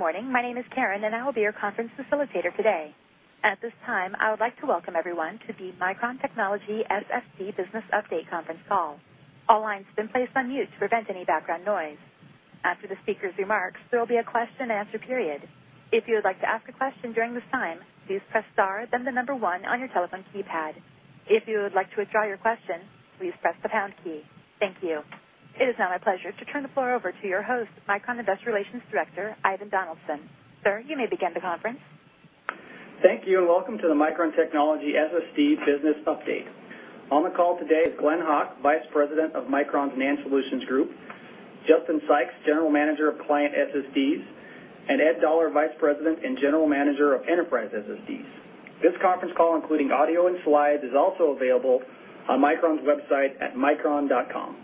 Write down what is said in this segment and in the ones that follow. Good morning. My name is Karen, and I will be your conference facilitator today. At this time, I would like to welcome everyone to the Micron Technology SSD Business Update conference call. All lines have been placed on mute to prevent any background noise. After the speaker's remarks, there will be a question-and-answer period. If you would like to ask a question during this time, please press star then the number 1 on your telephone keypad. If you would like to withdraw your question, please press the pound key. Thank you. It is now my pleasure to turn the floor over to your host, Micron Investor Relations Director, Ivan Donaldson. Sir, you may begin the conference. Thank you. Welcome to the Micron Technology SSD Business Update. On the call today is Glen Hawk, Vice President of Micron's NAND Solutions Group, Justin Sykes, General Manager of Client SSDs, and Ed Doller, Vice President and General Manager of Enterprise SSDs. This conference call, including audio and slides, is also available on Micron's website at micron.com.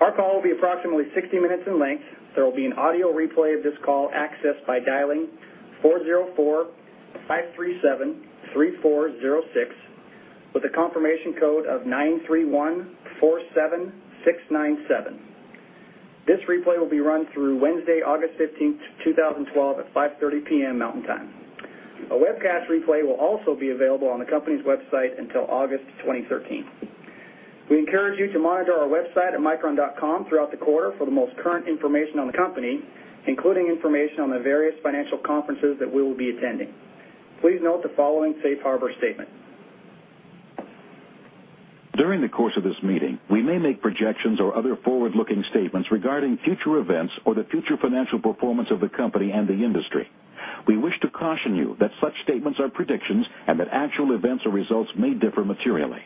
Our call will be approximately 60 minutes in length. There will be an audio replay of this call accessed by dialing 404-537-3406 with a confirmation code of 93147697. This replay will be run through Wednesday, August 15th, 2012, at 5:30 P.M. Mountain Time. A webcast replay will also be available on the company's website until August 2013. We encourage you to monitor our website at micron.com throughout the quarter for the most current information on the company, including information on the various financial conferences that we will be attending. Please note the following safe harbor statement. During the course of this meeting, we may make projections or other forward-looking statements regarding future events or the future financial performance of the company and the industry. We wish to caution you that such statements are predictions and that actual events or results may differ materially.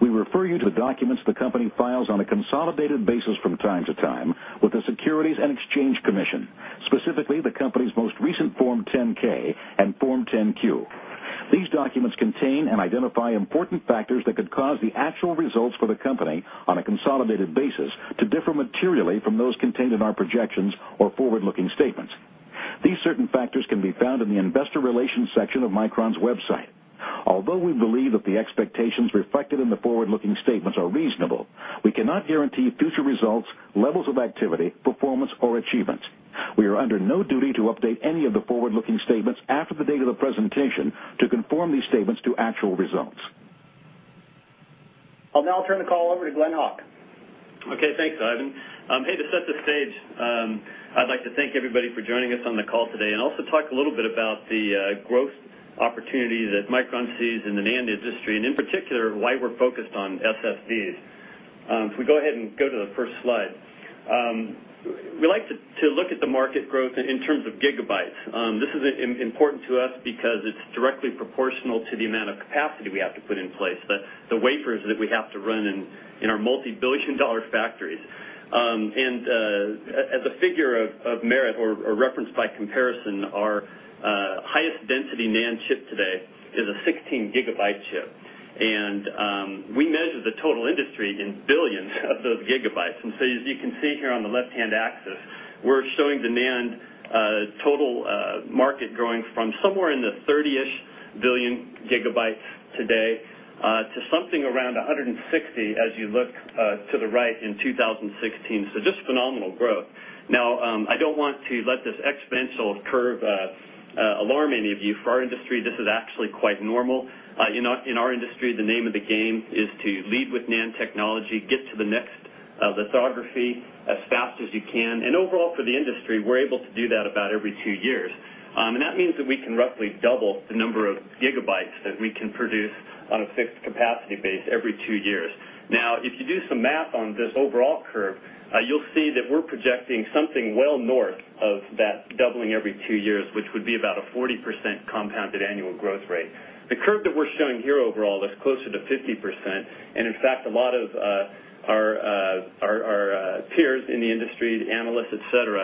We refer you to the documents the company files on a consolidated basis from time to time with the Securities and Exchange Commission, specifically the company's most recent Form 10-K and Form 10-Q. These documents contain and identify important factors that could cause the actual results for the company, on a consolidated basis, to differ materially from those contained in our projections or forward-looking statements. These certain factors can be found in the investor relations section of Micron's website. Although we believe that the expectations reflected in the forward-looking statements are reasonable, we cannot guarantee future results, levels of activity, performance, or achievements. We are under no duty to update any of the forward-looking statements after the date of the presentation to conform these statements to actual results. I'll now turn the call over to Glen Hawk. Okay, thanks, Ivan. Hey, to set the stage, I'd like to thank everybody for joining us on the call today and also talk a little bit about the growth opportunity that Micron sees in the NAND industry, and in particular, why we're focused on SSDs. If we go ahead and go to the first slide. We like to look at the market growth in terms of gigabytes. This is important to us because it's directly proportional to the amount of capacity we have to put in place, the wafers that we have to run in our multi-billion dollar factories. As a figure of merit or reference by comparison, our highest density NAND chip today is a 16-gigabyte chip, and we measure the total industry in billions of those gigabytes. As you can see here on the left-hand axis, we're showing demand total market growing from somewhere in the 30-ish billion gigabytes today to something around 160 as you look to the right in 2016. Just phenomenal growth. Now, I don't want to let this exponential curve alarm any of you. For our industry, this is actually quite normal. In our industry, the name of the game is to lead with NAND technology, get to the next lithography as fast as you can. Overall for the industry, we're able to do that about every two years. That means that we can roughly double the number of gigabytes that we can produce on a fixed capacity base every two years. If you do some math on this overall curve, you'll see that we're projecting something well north of that doubling every two years, which would be about a 40% compounded annual growth rate. The curve that we're showing here overall is closer to 50%, in fact, a lot of our peers in the industry, the analysts, et cetera,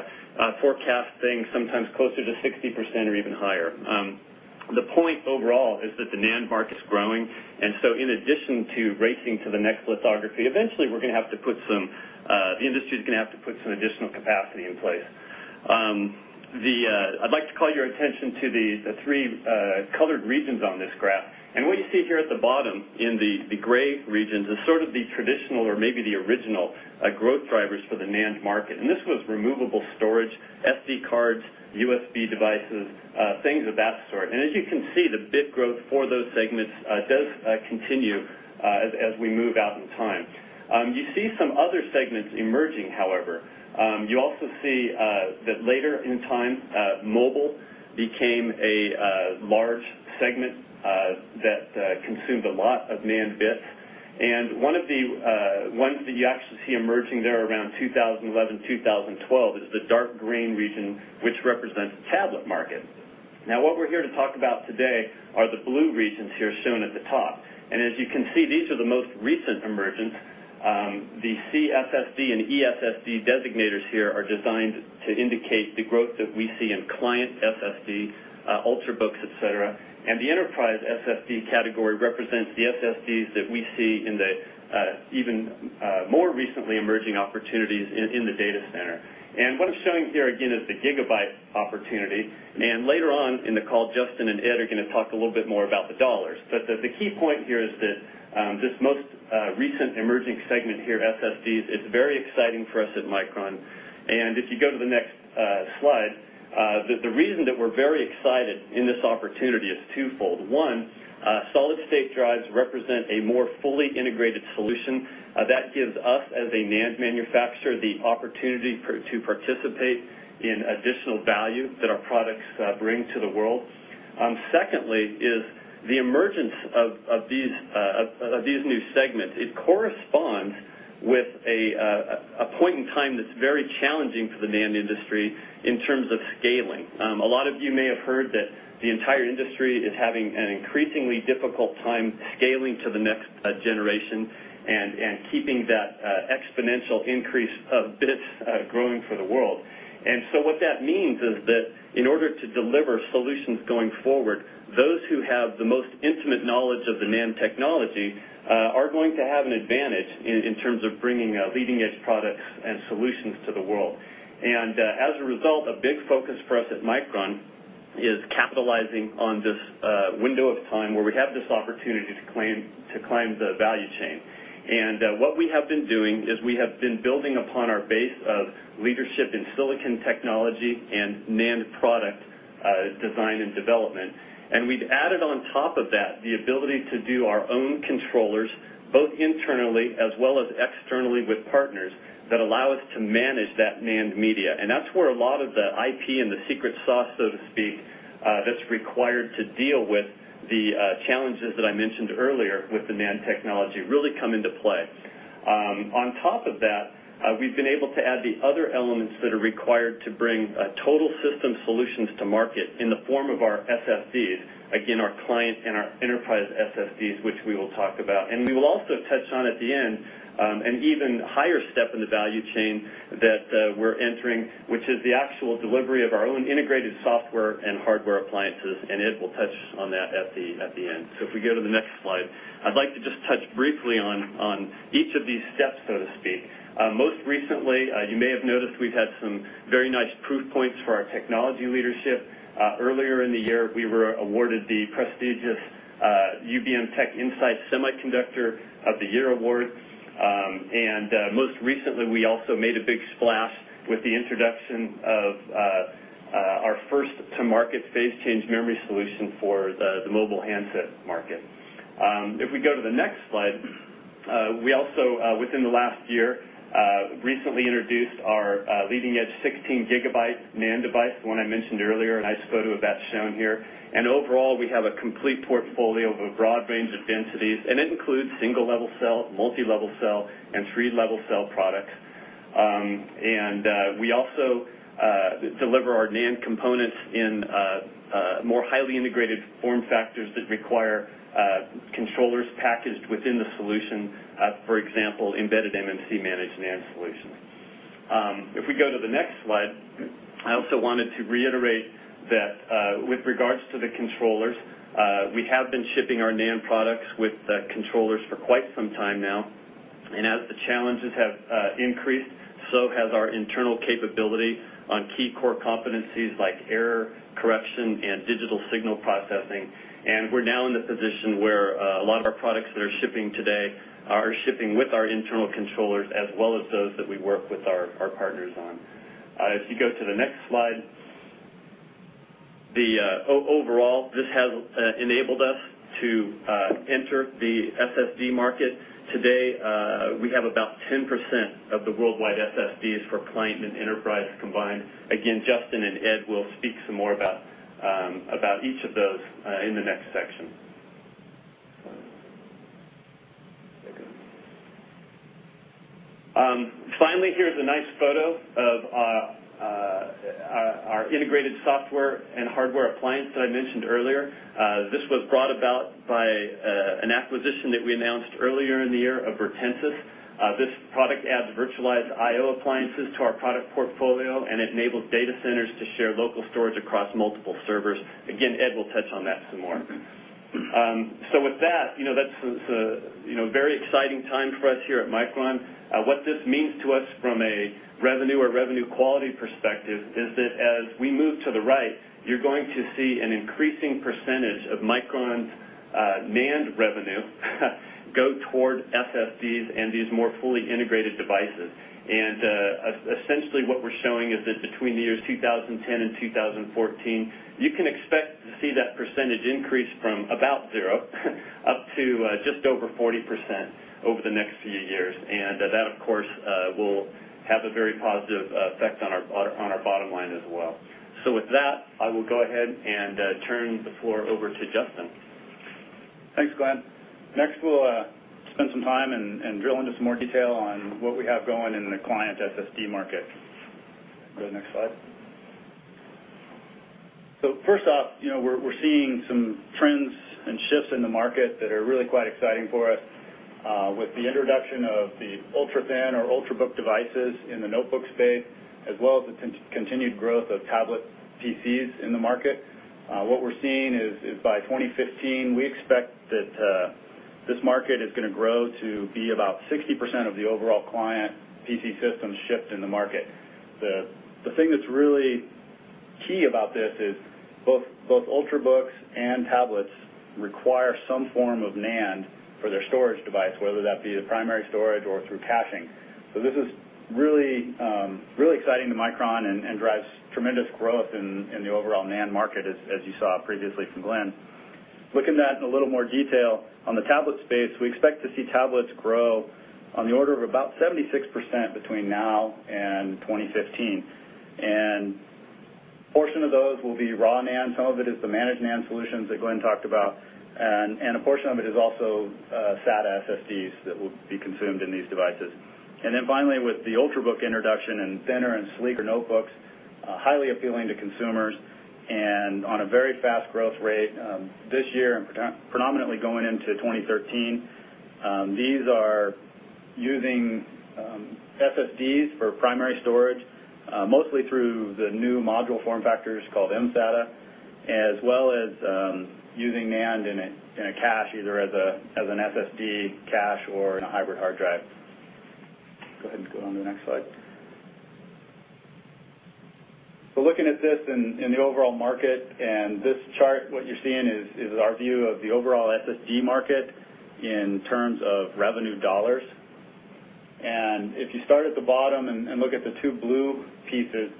forecast things sometimes closer to 60% or even higher. The point overall is that the NAND market's growing, in addition to racing to the next lithography, eventually the industry's going to have to put some additional capacity in place. I'd like to call your attention to the three colored regions on this graph. What you see here at the bottom in the gray regions is sort of the traditional or maybe the original growth drivers for the NAND market, this was removable storage, SD cards, USB devices, things of that sort. As you can see, the bit growth for those segments does continue as we move out in time. You see some other segments emerging, however. You also see that later in time, mobile became a large segment that consumed a lot of NAND bits. One of the ones that you actually see emerging there around 2011, 2012, is the dark green region, which represents tablet market. What we're here to talk about today are the blue regions here shown at the top. As you can see, these are the most recent emergence. The CSSD and ESSD designators here are designed to indicate the growth that we see in client SSD, Ultrabooks, et cetera, the Enterprise SSD category represents the SSDs that we see in the even more recently emerging opportunities in the data center. What I'm showing here again is the gigabyte opportunity. Later on in the call, Justin and Ed are going to talk a little bit more about the dollars. The key point here is that this most recent emerging segment here, SSDs, it's very exciting for us at Micron. If you go to the next slide, the reason that we're very excited in this opportunity is twofold. One, solid-state drives represent a more fully integrated solution. That gives us, as a NAND manufacturer, the opportunity to participate in additional value that our products bring to the world. Secondly is the emergence of these new segments. It corresponds with a point in time that's very challenging for the NAND industry in terms of scaling. A lot of you may have heard that the entire industry is having an increasingly difficult time scaling to the next generation and keeping that exponential increase of bits growing for the world. What that means is that in order to deliver solutions going forward, those who have the most intimate knowledge of the NAND technology are going to have an advantage in terms of bringing leading-edge products and solutions to the world. As a result, a big focus for us at Micron is capitalizing on this window of time where we have this opportunity to climb the value chain. What we have been doing is we have been building upon our base of leadership in silicon technology and NAND product design and development. We've added on top of that the ability to do our own controllers, both internally as well as externally with partners that allow us to manage that NAND media. That's where a lot of the IP and the secret sauce, so to speak, that's required to deal with the challenges that I mentioned earlier with the NAND technology really come into play. On top of that, we've been able to add the other elements that are required to bring total system solutions to market in the form of our SSDs, again, our client and our enterprise SSDs, which we will talk about. We will also touch on at the end an even higher step in the value chain that we're entering, which is the actual delivery of our own integrated software and hardware appliances, and Ed will touch on that at the end. If we go to the next slide, I'd like to just touch briefly on each of these steps, so to speak. Most recently, you may have noticed we've had some very nice proof points for our technology leadership. Earlier in the year, we were awarded the prestigious UBM TechInsights Semiconductor of the Year award. Most recently, we also made a big splash with the introduction of our first-to-market phase-change memory solution for the mobile handset market. If we go to the next slide, we also within the last year recently introduced our leading-edge 16 gigabyte NAND device, the one I mentioned earlier, a nice photo of that shown here, and overall, we have a complete portfolio of a broad range of densities, and it includes Single-Level Cell, Multi-Level Cell, and Triple-Level Cell products. We also deliver our NAND components in more highly integrated form factors that require controllers packaged within the solution. For example, embedded MMC-managed NAND solutions. If we go to the next slide, I also wanted to reiterate that with regards to the controllers, we have been shipping our NAND products with controllers for quite some time now, and as the challenges have increased, so has our internal capability on key core competencies like error correction and digital signal processing. We're now in the position where a lot of our products that are shipping today are shipping with our internal controllers as well as those that we work with our partners on. If you go to the next slide, overall, this has enabled us to enter the SSD market. Today, we have about 10% of the worldwide SSDs for client and enterprise combined. Again, Justin and Ed will speak some more about each of those in the next section. Finally, here is a nice photo of our integrated software and hardware appliance that I mentioned earlier. This was brought about by an acquisition that we announced earlier in the year of Virtensys. This product adds virtualized IO appliances to our product portfolio, and it enables data centers to share local storage across multiple servers. Again, Ed will touch on that some more. With that's a very exciting time for us here at Micron. What this means to us from a revenue or revenue quality perspective is that as we move to the right, you're going to see an increasing percentage of Micron's NAND revenue go toward SSDs and these more fully integrated devices. Essentially what we're showing is that between the years 2010 and 2014, you can expect to see that percentage increase from about zero up to just over 40% over the next few years. That, of course, will have a very positive effect on our bottom line as well. With that, I will go ahead and turn the floor over to Justin. Thanks, Glen. Next, we'll spend some time and drill into some more detail on what we have going in the client SSD market. Go to the next slide. First off, we're seeing some trends and shifts in the market that are really quite exciting for us with the introduction of the ultrathin or Ultrabook devices in the notebook space, as well as the continued growth of tablet PCs in the market. What we're seeing is by 2015, we expect that this market is going to grow to be about 60% of the overall client PC system shipped in the market. The thing that's really key about this is both Ultrabooks and tablets require some form of NAND for their storage device, whether that be the primary storage or through caching. This is really exciting to Micron and drives tremendous growth in the overall NAND market, as you saw previously from Glen. Looking at that in a little more detail, on the tablet space, we expect to see tablets grow on the order of about 76% between now and 2015. Those will be raw NAND. Some of it is the managed NAND solutions that Glen talked about, and a portion of it is also SATA SSDs that will be consumed in these devices. Finally, with the Ultrabook introduction and thinner and sleeker notebooks, highly appealing to consumers and on a very fast growth rate this year and predominantly going into 2013. These are using SSDs for primary storage, mostly through the new module form factors called mSATA, as well as using NAND in a cache, either as an SSD cache or in a hybrid hard drive. Go ahead and go on to the next slide. Looking at this in the overall market, and this chart, what you're seeing is our view of the overall SSD market in terms of revenue dollars. If you start at the bottom and look at the two blue pieces,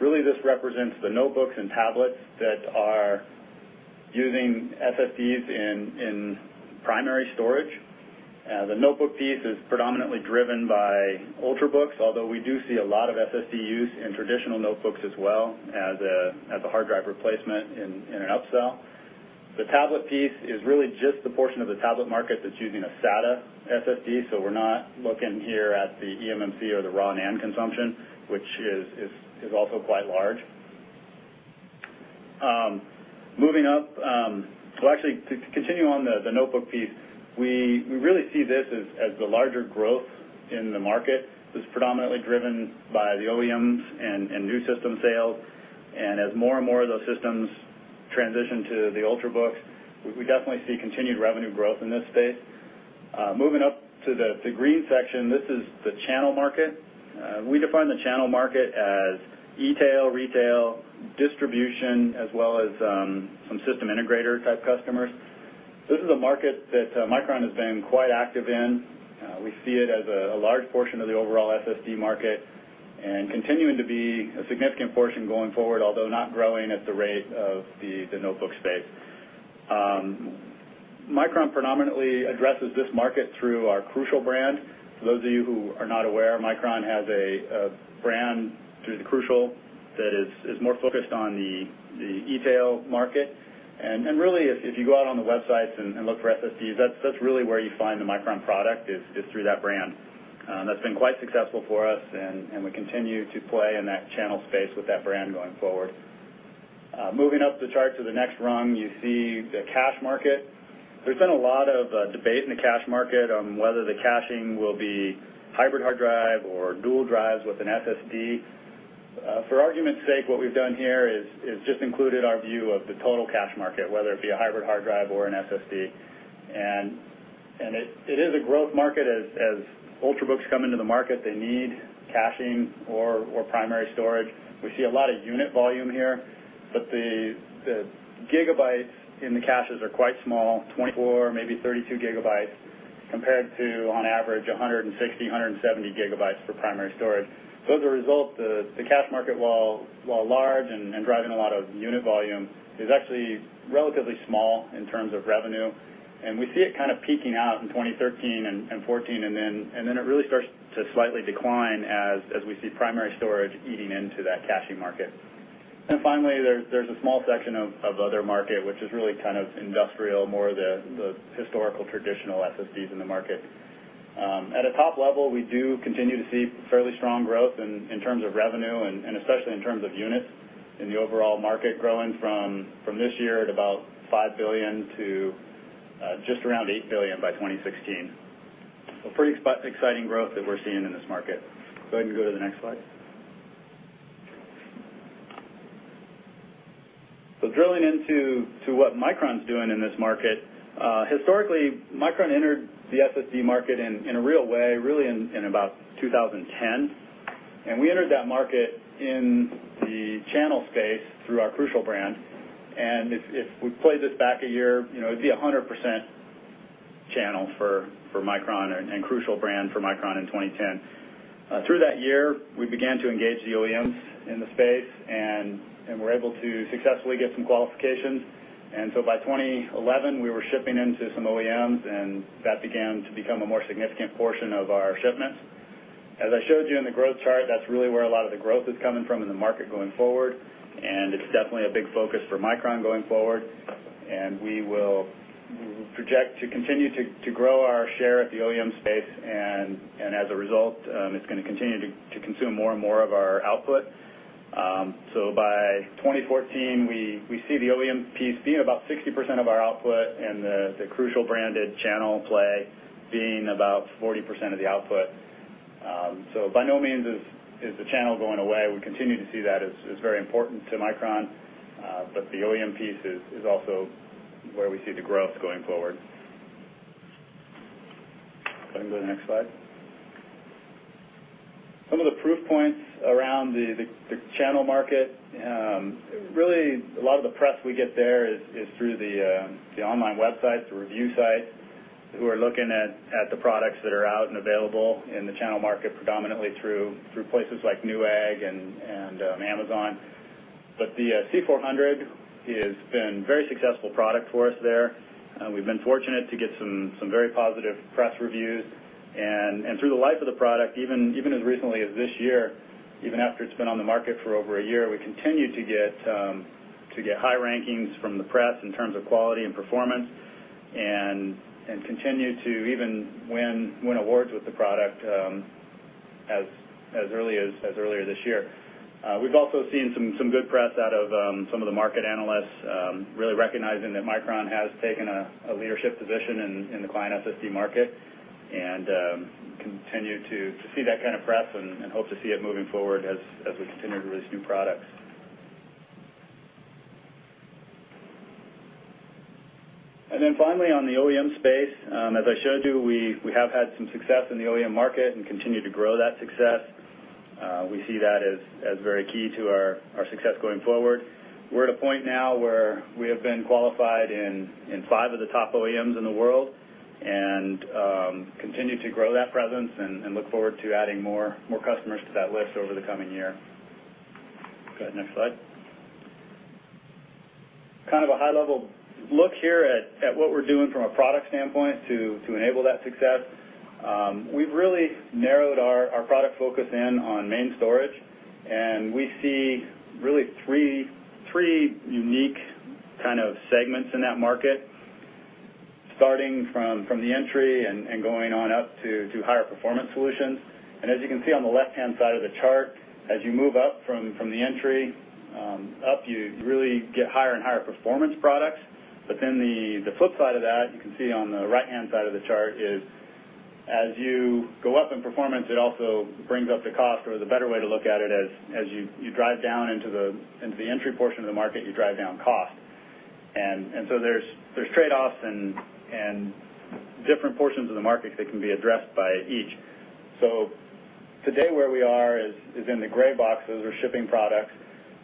really this represents the notebooks and tablets that are using SSDs in primary storage. The notebook piece is predominantly driven by Ultrabooks, although we do see a lot of SSD use in traditional notebooks as well as a hard drive replacement in an upsell. The tablet piece is really just the portion of the tablet market that's using a SATA SSD. We're not looking here at the eMMC or the raw NAND consumption, which is also quite large. Moving up, actually, to continue on the notebook piece, we really see this as the larger growth in the market. It's predominantly driven by the OEMs and new system sales. As more and more of those systems transition to the Ultrabooks, we definitely see continued revenue growth in this space. Moving up to the green section, this is the channel market. We define the channel market as e-tail, retail, distribution, as well as some system integrator-type customers. This is a market that Micron has been quite active in. We see it as a large portion of the overall SSD market and continuing to be a significant portion going forward, although not growing at the rate of the notebook space. Micron predominantly addresses this market through our Crucial brand. For those of you who are not aware, Micron has a brand through the Crucial that is more focused on the e-tail market. Really, if you go out on the websites and look for SSDs, that's really where you find the Micron product is through that brand. That's been quite successful for us, and we continue to play in that channel space with that brand going forward. Moving up the chart to the next rung, you see the cache market. There's been a lot of debate in the cache market on whether the caching will be hybrid hard drive or dual drives with an SSD. For argument's sake, what we've done here is just included our view of the total cache market, whether it be a hybrid hard drive or an SSD. It is a growth market. As Ultrabooks come into the market, they need caching or primary storage. We see a lot of unit volume here, but the gigabytes in the caches are quite small, 24, maybe 32 gigabytes, compared to, on average, 160, 170 gigabytes for primary storage. As a result, the cache market, while large and driving a lot of unit volume, is actually relatively small in terms of revenue, and we see it kind of peaking out in 2013 and 2014, then it really starts to slightly decline as we see primary storage eating into that caching market. Finally, there's a small section of other market, which is really kind of industrial, more the historical, traditional SSDs in the market. At a top level, we do continue to see fairly strong growth in terms of revenue and especially in terms of units in the overall market growing from this year at about $5 billion to just around $8 billion by 2016. Pretty exciting growth that we're seeing in this market. Go ahead and go to the next slide. Drilling into what Micron's doing in this market. Historically, Micron entered the SSD market in a real way, really in about 2010. We entered that market in the channel space through our Crucial brand. If we play this back a year, it'd be 100% channel for Micron and Crucial brand for Micron in 2010. Through that year, we began to engage the OEMs in the space and were able to successfully get some qualifications. By 2011, we were shipping into some OEMs, and that began to become a more significant portion of our shipments. As I showed you in the growth chart, that's really where a lot of the growth is coming from in the market going forward, and it's definitely a big focus for Micron going forward. We will project to continue to grow our share at the OEM space, and as a result, it's going to continue to consume more and more of our output. By 2014, we see the OEM piece being about 60% of our output and the Crucial branded channel play being about 40% of the output. By no means is the channel going away. We continue to see that as very important to Micron. The OEM piece is also where we see the growth going forward. Go ahead and go to the next slide. Some of the proof points around the channel market. Really, a lot of the press we get there is through the online websites, the review sites, who are looking at the products that are out and available in the channel market, predominantly through places like Newegg and Amazon. The C400- It's been very successful product for us there. We've been fortunate to get some very positive press reviews. Through the life of the product, even as recently as this year, even after it's been on the market for over a year, we continue to get high rankings from the press in terms of quality and performance, and continue to even win awards with the product as early as earlier this year. We've also seen some good press out of some of the market analysts, really recognizing that Micron has taken a leadership position in the client SSD market, and continue to see that kind of press and hope to see it moving forward as we continue to release new products. Finally on the OEM space, as I showed you, we have had some success in the OEM market and continue to grow that success. We see that as very key to our success going forward. We're at a point now where we have been qualified in five of the top OEMs in the world, and continue to grow that presence and look forward to adding more customers to that list over the coming year. Go ahead, next slide. Kind of a high-level look here at what we're doing from a product standpoint to enable that success. We've really narrowed our product focus in on main storage, and we see really three unique kind of segments in that market, starting from the entry and going on up to higher performance solutions. As you can see on the left-hand side of the chart, as you move up from the entry up, you really get higher and higher performance products. The flip side of that, you can see on the right-hand side of the chart is as you go up in performance, it also brings up the cost or the better way to look at it as you drive down into the entry portion of the market, you drive down cost. There's trade-offs and different portions of the market that can be addressed by each. Today where we are is in the gray boxes or shipping products.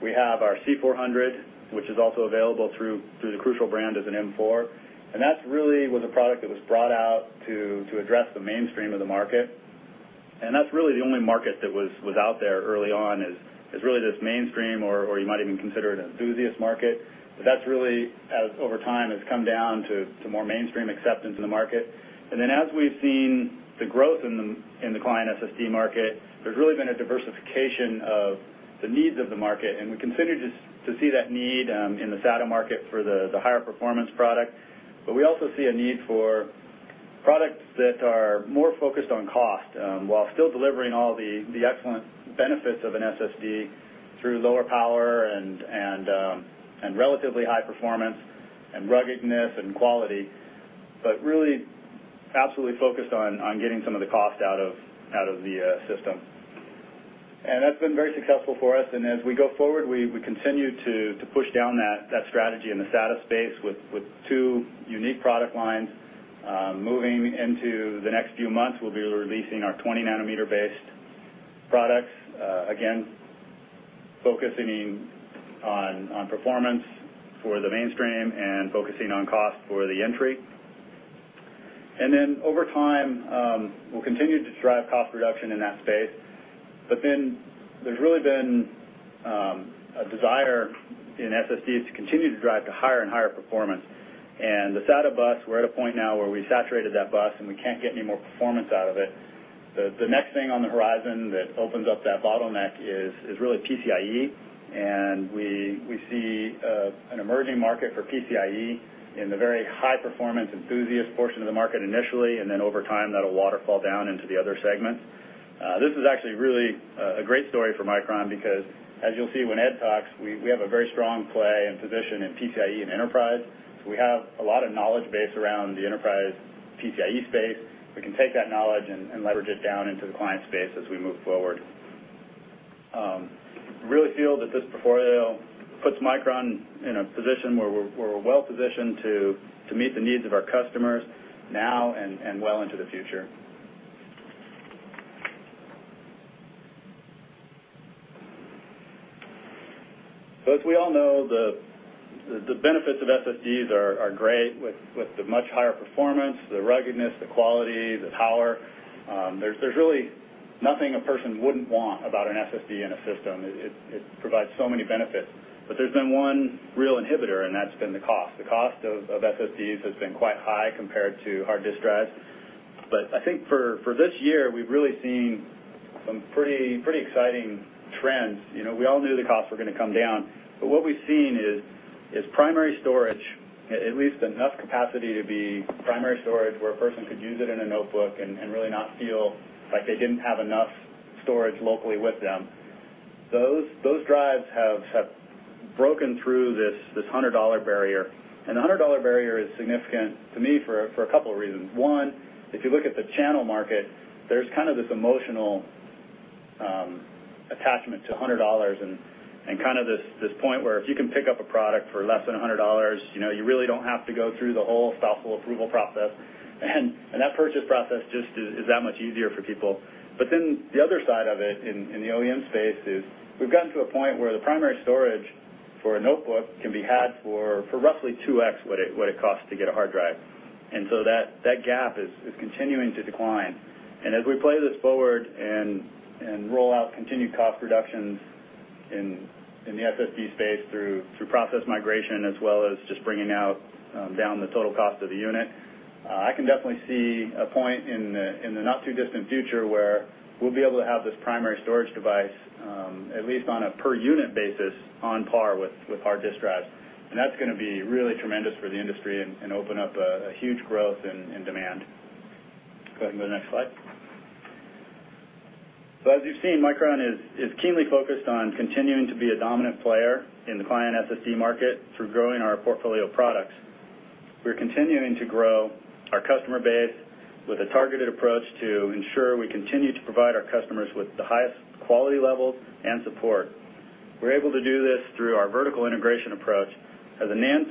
We have our C400, which is also available through the Crucial brand as an M4, that really was a product that was brought out to address the mainstream of the market. That's really the only market that was out there early on is really this mainstream, or you might even consider it an enthusiast market. That's really, as over time, has come down to more mainstream acceptance in the market. As we've seen the growth in the client SSD market, there's really been a diversification of the needs of the market, and we continue to see that need in the SATA market for the higher performance product. We also see a need for products that are more focused on cost, while still delivering all the excellent benefits of an SSD through lower power and relatively high performance and ruggedness and quality, really absolutely focused on getting some of the cost out of the system. That's been very successful for us. As we go forward, we continue to push down that strategy in the SATA space with two unique product lines. Moving into the next few months, we'll be releasing our 20-nanometer based products, again, focusing on performance for the mainstream and focusing on cost for the entry. Over time, we'll continue to drive cost reduction in that space. There's really been a desire in SSDs to continue to drive to higher and higher performance. The SATA bus, we're at a point now where we saturated that bus and we can't get any more performance out of it. The next thing on the horizon that opens up that bottleneck is really PCIe, and we see an emerging market for PCIe in the very high-performance enthusiast portion of the market initially, over time, that'll waterfall down into the other segments. This is actually really a great story for Micron because as you'll see when Ed talks, we have a very strong play and position in PCIe and enterprise. We have a lot of knowledge base around the enterprise PCIe space. We can take that knowledge and leverage it down into the client space as we move forward. Really feel that this portfolio puts Micron in a position where we're well-positioned to meet the needs of our customers now and well into the future. As we all know, the benefits of SSDs are great with the much higher performance, the ruggedness, the quality, the power. There's really nothing a person wouldn't want about an SSD in a system. It provides so many benefits. There's been one real inhibitor, and that's been the cost. The cost of SSDs has been quite high compared to hard disk drives. I think for this year, we've really seen some pretty exciting trends. We all knew the costs were going to come down, but what we've seen is primary storage, at least enough capacity to be primary storage where a person could use it in a notebook and really not feel like they didn't have enough storage locally with them. Those drives have broken through this $100 barrier. The $100 barrier is significant to me for a couple of reasons. One, if you look at the channel market, there's this emotional attachment to $100 and this point where if you can pick up a product for less than $100, you really don't have to go through the whole thoughtful approval process. That purchase process just is that much easier for people. The other side of it in the OEM space is we've gotten to a point where the primary storage for a notebook can be had for roughly 2x what it costs to get a hard drive. That gap is continuing to decline. As we play this forward and roll out continued cost reductions in the SSD space through process migration, as well as just bringing down the total cost of the unit, I can definitely see a point in the not-too-distant future where we'll be able to have this primary storage device, at least on a per-unit basis, on par with hard disk drives. That's going to be really tremendous for the industry and open up a huge growth in demand. Go ahead and go to the next slide. As you've seen, Micron is keenly focused on continuing to be a dominant player in the client SSD market through growing our portfolio of products. We're continuing to grow our customer base with a targeted approach to ensure we continue to provide our customers with the highest quality levels and support. We're able to do this through our vertical integration approach. As a NAND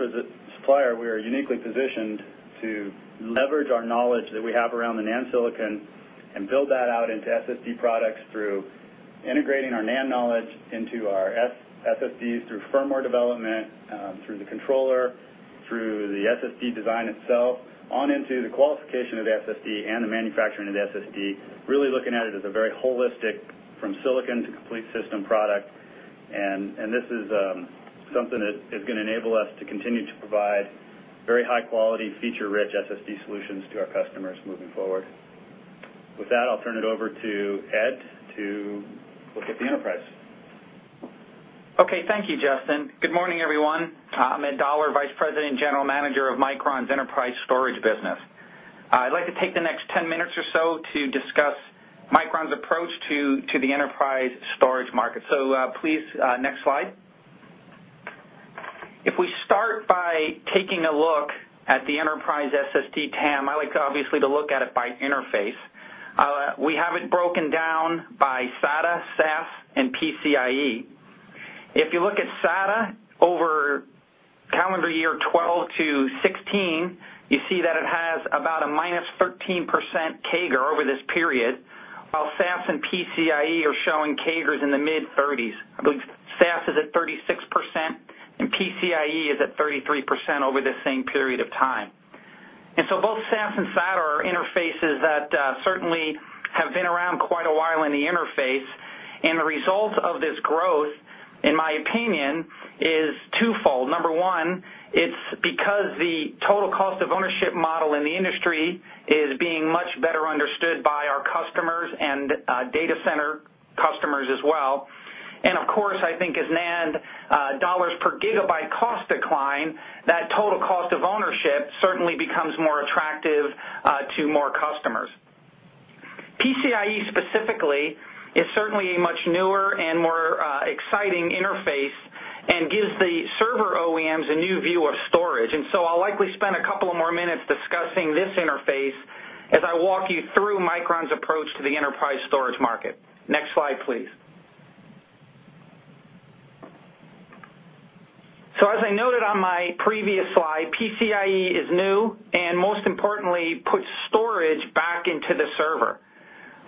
supplier, we are uniquely positioned to leverage our knowledge that we have around the NAND silicon and build that out into SSD products through integrating our NAND knowledge into our SSDs, through firmware development, through the controller, through the SSD design itself, on into the qualification of the SSD and the manufacturing of the SSD. Really looking at it as a very holistic, from silicon to complete system product. This is something that is going to enable us to continue to provide very high-quality, feature-rich SSD solutions to our customers moving forward. With that, I'll turn it over to Ed to look at the enterprise. Okay. Thank you, Justin. Good morning, everyone. I'm Ed Doller, Vice President and General Manager of Micron's Enterprise Storage Business. I'd like to take the next 10 minutes or so to discuss Micron's approach to the enterprise storage market. Please, next slide. If we start by taking a look at the enterprise SSD TAM, I like, obviously, to look at it by interface. We have it broken down by SATA, SAS, and PCIe. If you look at SATA over calendar year 2012 to 2016, you see that it has about a -13% CAGR over this period, while SAS and PCIe are showing CAGRs in the mid-30s. I believe SAS is at 36% and PCIe is at 33% over the same period of time. Both SAS and SATA are interfaces that certainly have been around quite a while in the interface. The result of this growth, in my opinion, is twofold. Number one, it's because the total cost of ownership model in the industry is being much better understood by our customers and data center customers as well. Of course, I think as NAND $ per gigabyte cost decline, that total cost of ownership certainly becomes more attractive to more customers. PCIe specifically, is certainly a much newer and more exciting interface and gives the server OEMs a new view of storage. I'll likely spend a couple of more minutes discussing this interface as I walk you through Micron's approach to the enterprise storage market. Next slide, please. As I noted on my previous slide, PCIe is new and most importantly, puts storage back into the server.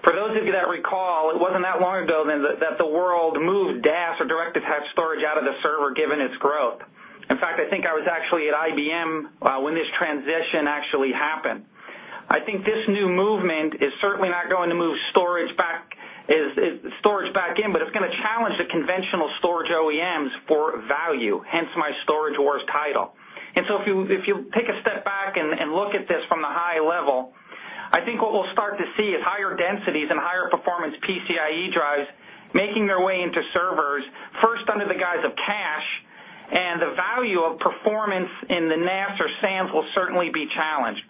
For those of you that recall, it wasn't that long ago then that the world moved DAS or direct-attached storage out of the server given its growth. In fact, I think I was actually at IBM when this transition actually happened. I think this new movement is certainly not going to move storage back in, but it's going to challenge the conventional storage OEMs for value, hence my storage wars title. If you take a step back and look at this from the high level, I think what we'll start to see is higher densities and higher performance PCIe drives making their way into servers, first under the guise of cache, and the value of performance in the NAS or SANs will certainly be challenged.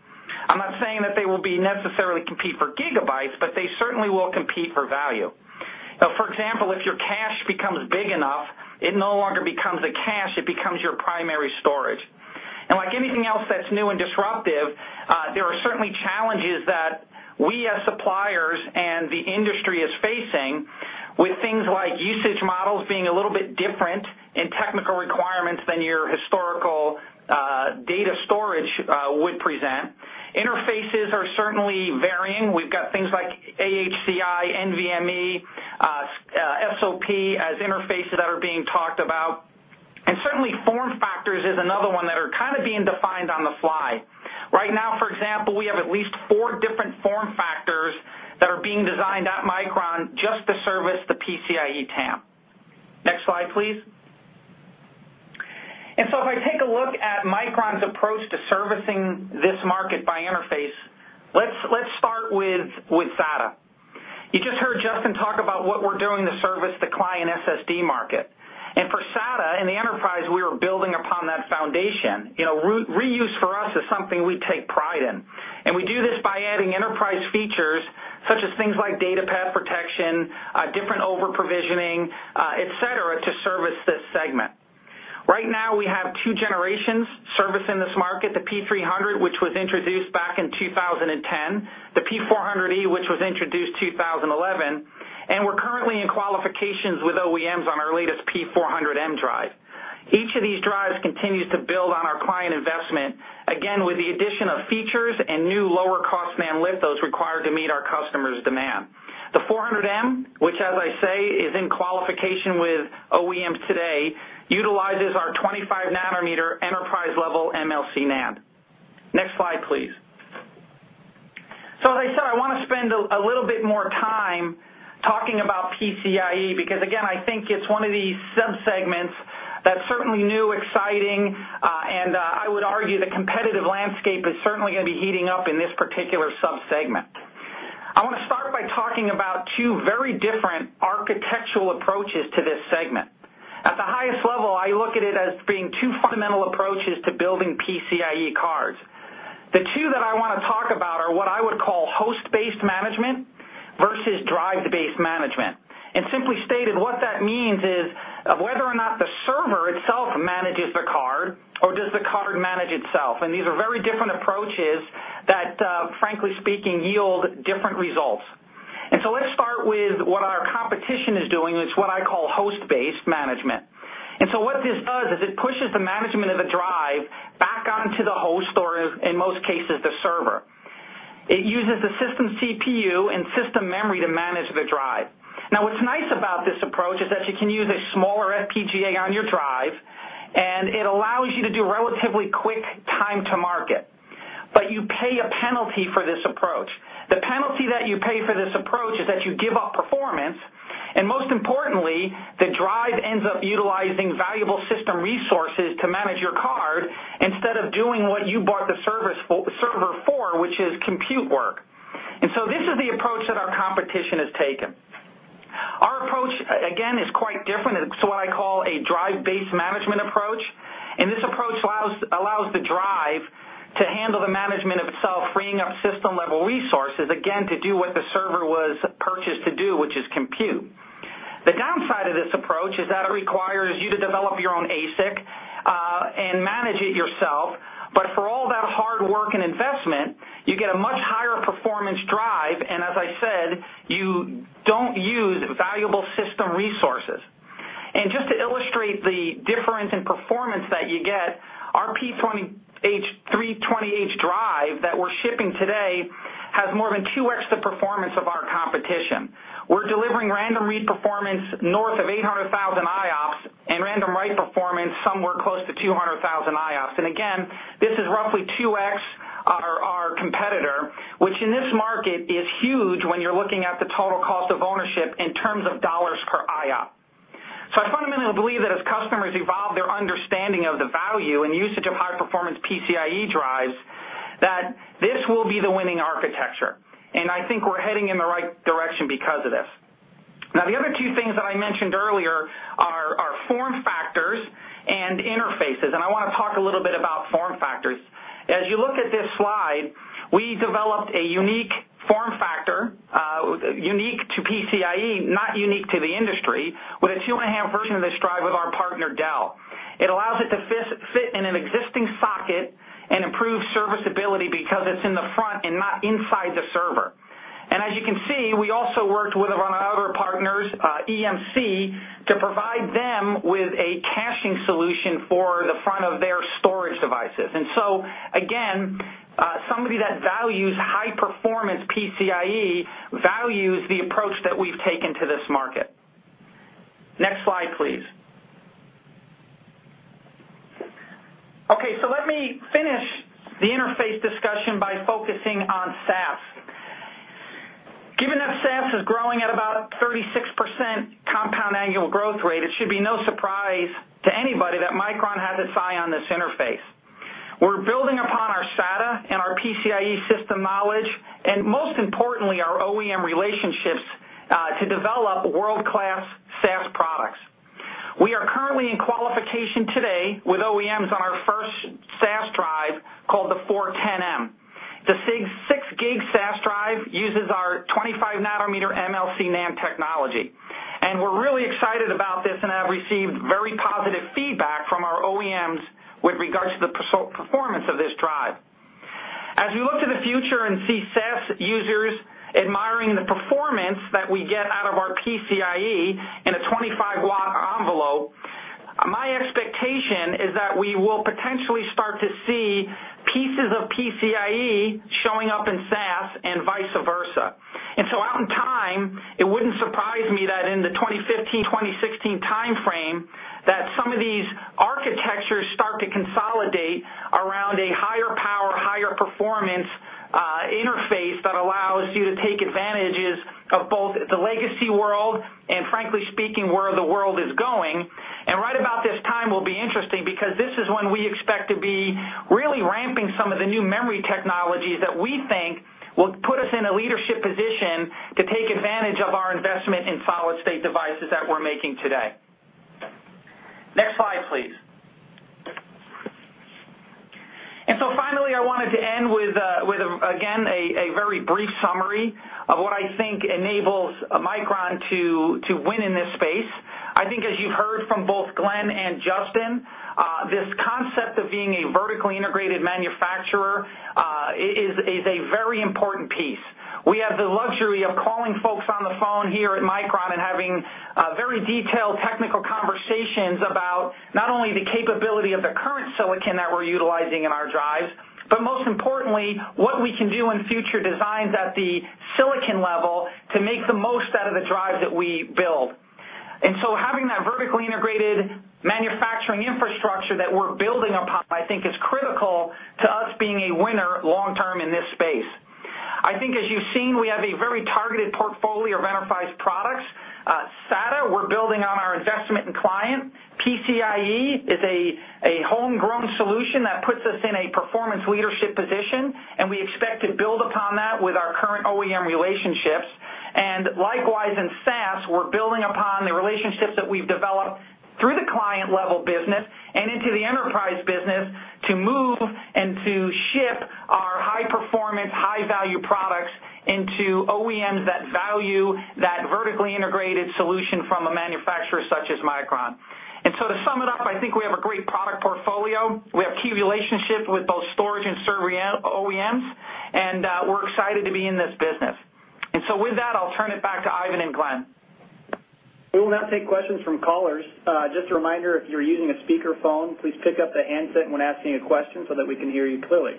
I'm not saying that they will necessarily compete for gigabytes, but they certainly will compete for value. For example, if your cache becomes big enough, it no longer becomes a cache, it becomes your primary storage. Like anything else that's new and disruptive, there are certainly challenges that we as suppliers and the industry is facing with things like usage models being a little bit different in technical requirements than your historical data storage would present. Interfaces are certainly varying. We've got things like AHCI, NVMe, SOP as interfaces that are being talked about. Certainly, form factors is another one that are kind of being defined on the fly. Right now, for example, we have at least four different form factors that are being designed at Micron just to service the PCIe TAM. Next slide, please. If I take a look at Micron's approach to servicing this market by interface, let's start with SATA. You just heard Justin talk about what we're doing to service the client SSD market. For SATA in the enterprise, we are building upon that foundation. Reuse for us is something we take pride in. We do this by adding enterprise features such as things like data path protection, different over-provisioning, et cetera, to service this segment. Right now, we have 2 generations servicing this market, the P300, which was introduced back in 2010, the P400e, which was introduced 2011, and we're currently in qualifications with OEMs on our latest P400m drive. Each of these drives continues to build on our client investment, again, with the addition of features and new lower-cost NAND lithos required to meet our customers' demand. The P400m, which, as I said Qualification with OEMs today utilizes our 25-nanometer enterprise-level MLC NAND. Next slide, please. As I said, I want to spend a little bit more time talking about PCIe, because again, I think it's one of these sub-segments that's certainly new, exciting, and I would argue the competitive landscape is certainly going to be heating up in this particular sub-segment. I want to start by talking about two very different architectural approaches to this segment. At the highest level, I look at it as being two fundamental approaches to building PCIe cards. The two that I want to talk about are what I would call host-based management versus drive-based management. Simply stated, what that means is whether or not the server itself manages the card or does the card manage itself. These are very different approaches that, frankly speaking, yield different results. Let's start with what our competition is doing. It's what I call host-based management. What this does is it pushes the management of the drive back onto the host or, in most cases, the server. It uses the system CPU and system memory to manage the drive. Now, what's nice about this approach is that you can use a smaller FPGA on your drive, and it allows you to do relatively quick time to market. You pay a penalty for this approach. The penalty that you pay for this approach is that you give up performance, most importantly, the drive ends up utilizing valuable system resources to manage your card instead of doing what you bought the server for, which is compute work. This is the approach that our competition has taken. Our approach, again, is quite different. It's what I call a drive-based management approach. This approach allows the drive to handle the management itself, freeing up system-level resources, again, to do what the server was purchased to do, which is compute. The downside of this approach is that it requires you to develop your own ASIC, and manage it yourself. For all that hard work and investment, you get a much higher performance drive, as I said, you don't use valuable system resources. Just to illustrate the difference in performance that you get, our P320h drive that we're shipping today has more than 2x the performance of our competition. We're delivering random read performance north of 800,000 IOPS and random write performance somewhere close to 200,000 IOPS. Again, this is roughly 2x our competitor, which in this market is huge when you're looking at the total cost of ownership in terms of $ per IOP. I fundamentally believe that as customers evolve their understanding of the value and usage of high-performance PCIe drives, that this will be the winning architecture. I think we're heading in the right direction because of this. The other two things that I mentioned earlier are form factors and interfaces, I want to talk a little bit about form factors. As you look at this slide, we developed a unique form factor, unique to PCIe, not unique to the industry, with a two and a half version of this drive with our partner, Dell. It allows it to fit in an existing socket and improve serviceability because it's in the front and not inside the server. As you can see, we also worked with one of our other partners, EMC, to provide them with a caching solution for the front of their storage devices. Again, somebody that values high-performance PCIe values the approach that we've taken to this market. Next slide, please. Let me finish the interface discussion by focusing on SAS. Given that SAS is growing at about a 36% compound annual growth rate, it should be no surprise to anybody that Micron has its eye on this interface. We're building upon our SATA and our PCIe system knowledge, and most importantly, our OEM relationships, to develop world-class SAS products. We are currently in qualification today with OEMs on our first SAS drive called the 410M. The six gig SAS drive uses our 25-nanometer MLC NAND technology. We're really excited about this and have received very positive feedback from our OEMs with regards to the performance of this drive. As we look to the future and see SAS users admiring the performance that we get out of our PCIe in a 25-watt envelope, my expectation is that we will potentially start to see pieces of PCIe showing up in SAS and vice versa. Out in time, it wouldn't surprise me that in the 2015, 2016 timeframe, that some of these architectures start to consolidate around a higher power, higher performance interface that allows you to take advantages of both the legacy world and, frankly speaking, where the world is going. Right about this time will be interesting because this is when we expect to be really ramping some of the new memory technologies that we think will put us in a leadership position to take advantage of our investment in solid-state devices that we're making today. Next slide, please. Finally, I wanted to end with, again, a very brief summary of what I think enables Micron to win in this space. I think as you heard from both Glen and Justin, this concept of being a vertically integrated manufacturer is a very important piece. We have the luxury of calling folks on the phone here at Micron and having very detailed technical conversations about the capability of the current silicon that we're utilizing in our drives, but most importantly, what we can do in future designs at the silicon level to make the most out of the drives that we build. Having that vertically integrated manufacturing infrastructure that we're building upon, I think, is critical to us being a winner long-term in this space. I think, as you've seen, we have a very targeted portfolio of enterprise products. SATA, we're building on our investment in client. PCIe is a homegrown solution that puts us in a performance leadership position, and we expect to build upon that with our current OEM relationships. Likewise, in SAS, we're building upon the relationships that we've developed through the client-level business and into the enterprise business to move and to ship our high-performance, high-value products into OEMs that value that vertically integrated solution from a manufacturer such as Micron. To sum it up, I think we have a great product portfolio. We have key relationships with both storage and server OEMs, and we're excited to be in this business. With that, I'll turn it back to Ivan and Glen. We will now take questions from callers. Just a reminder, if you're using a speakerphone, please pick up the handset when asking a question so that we can hear you clearly.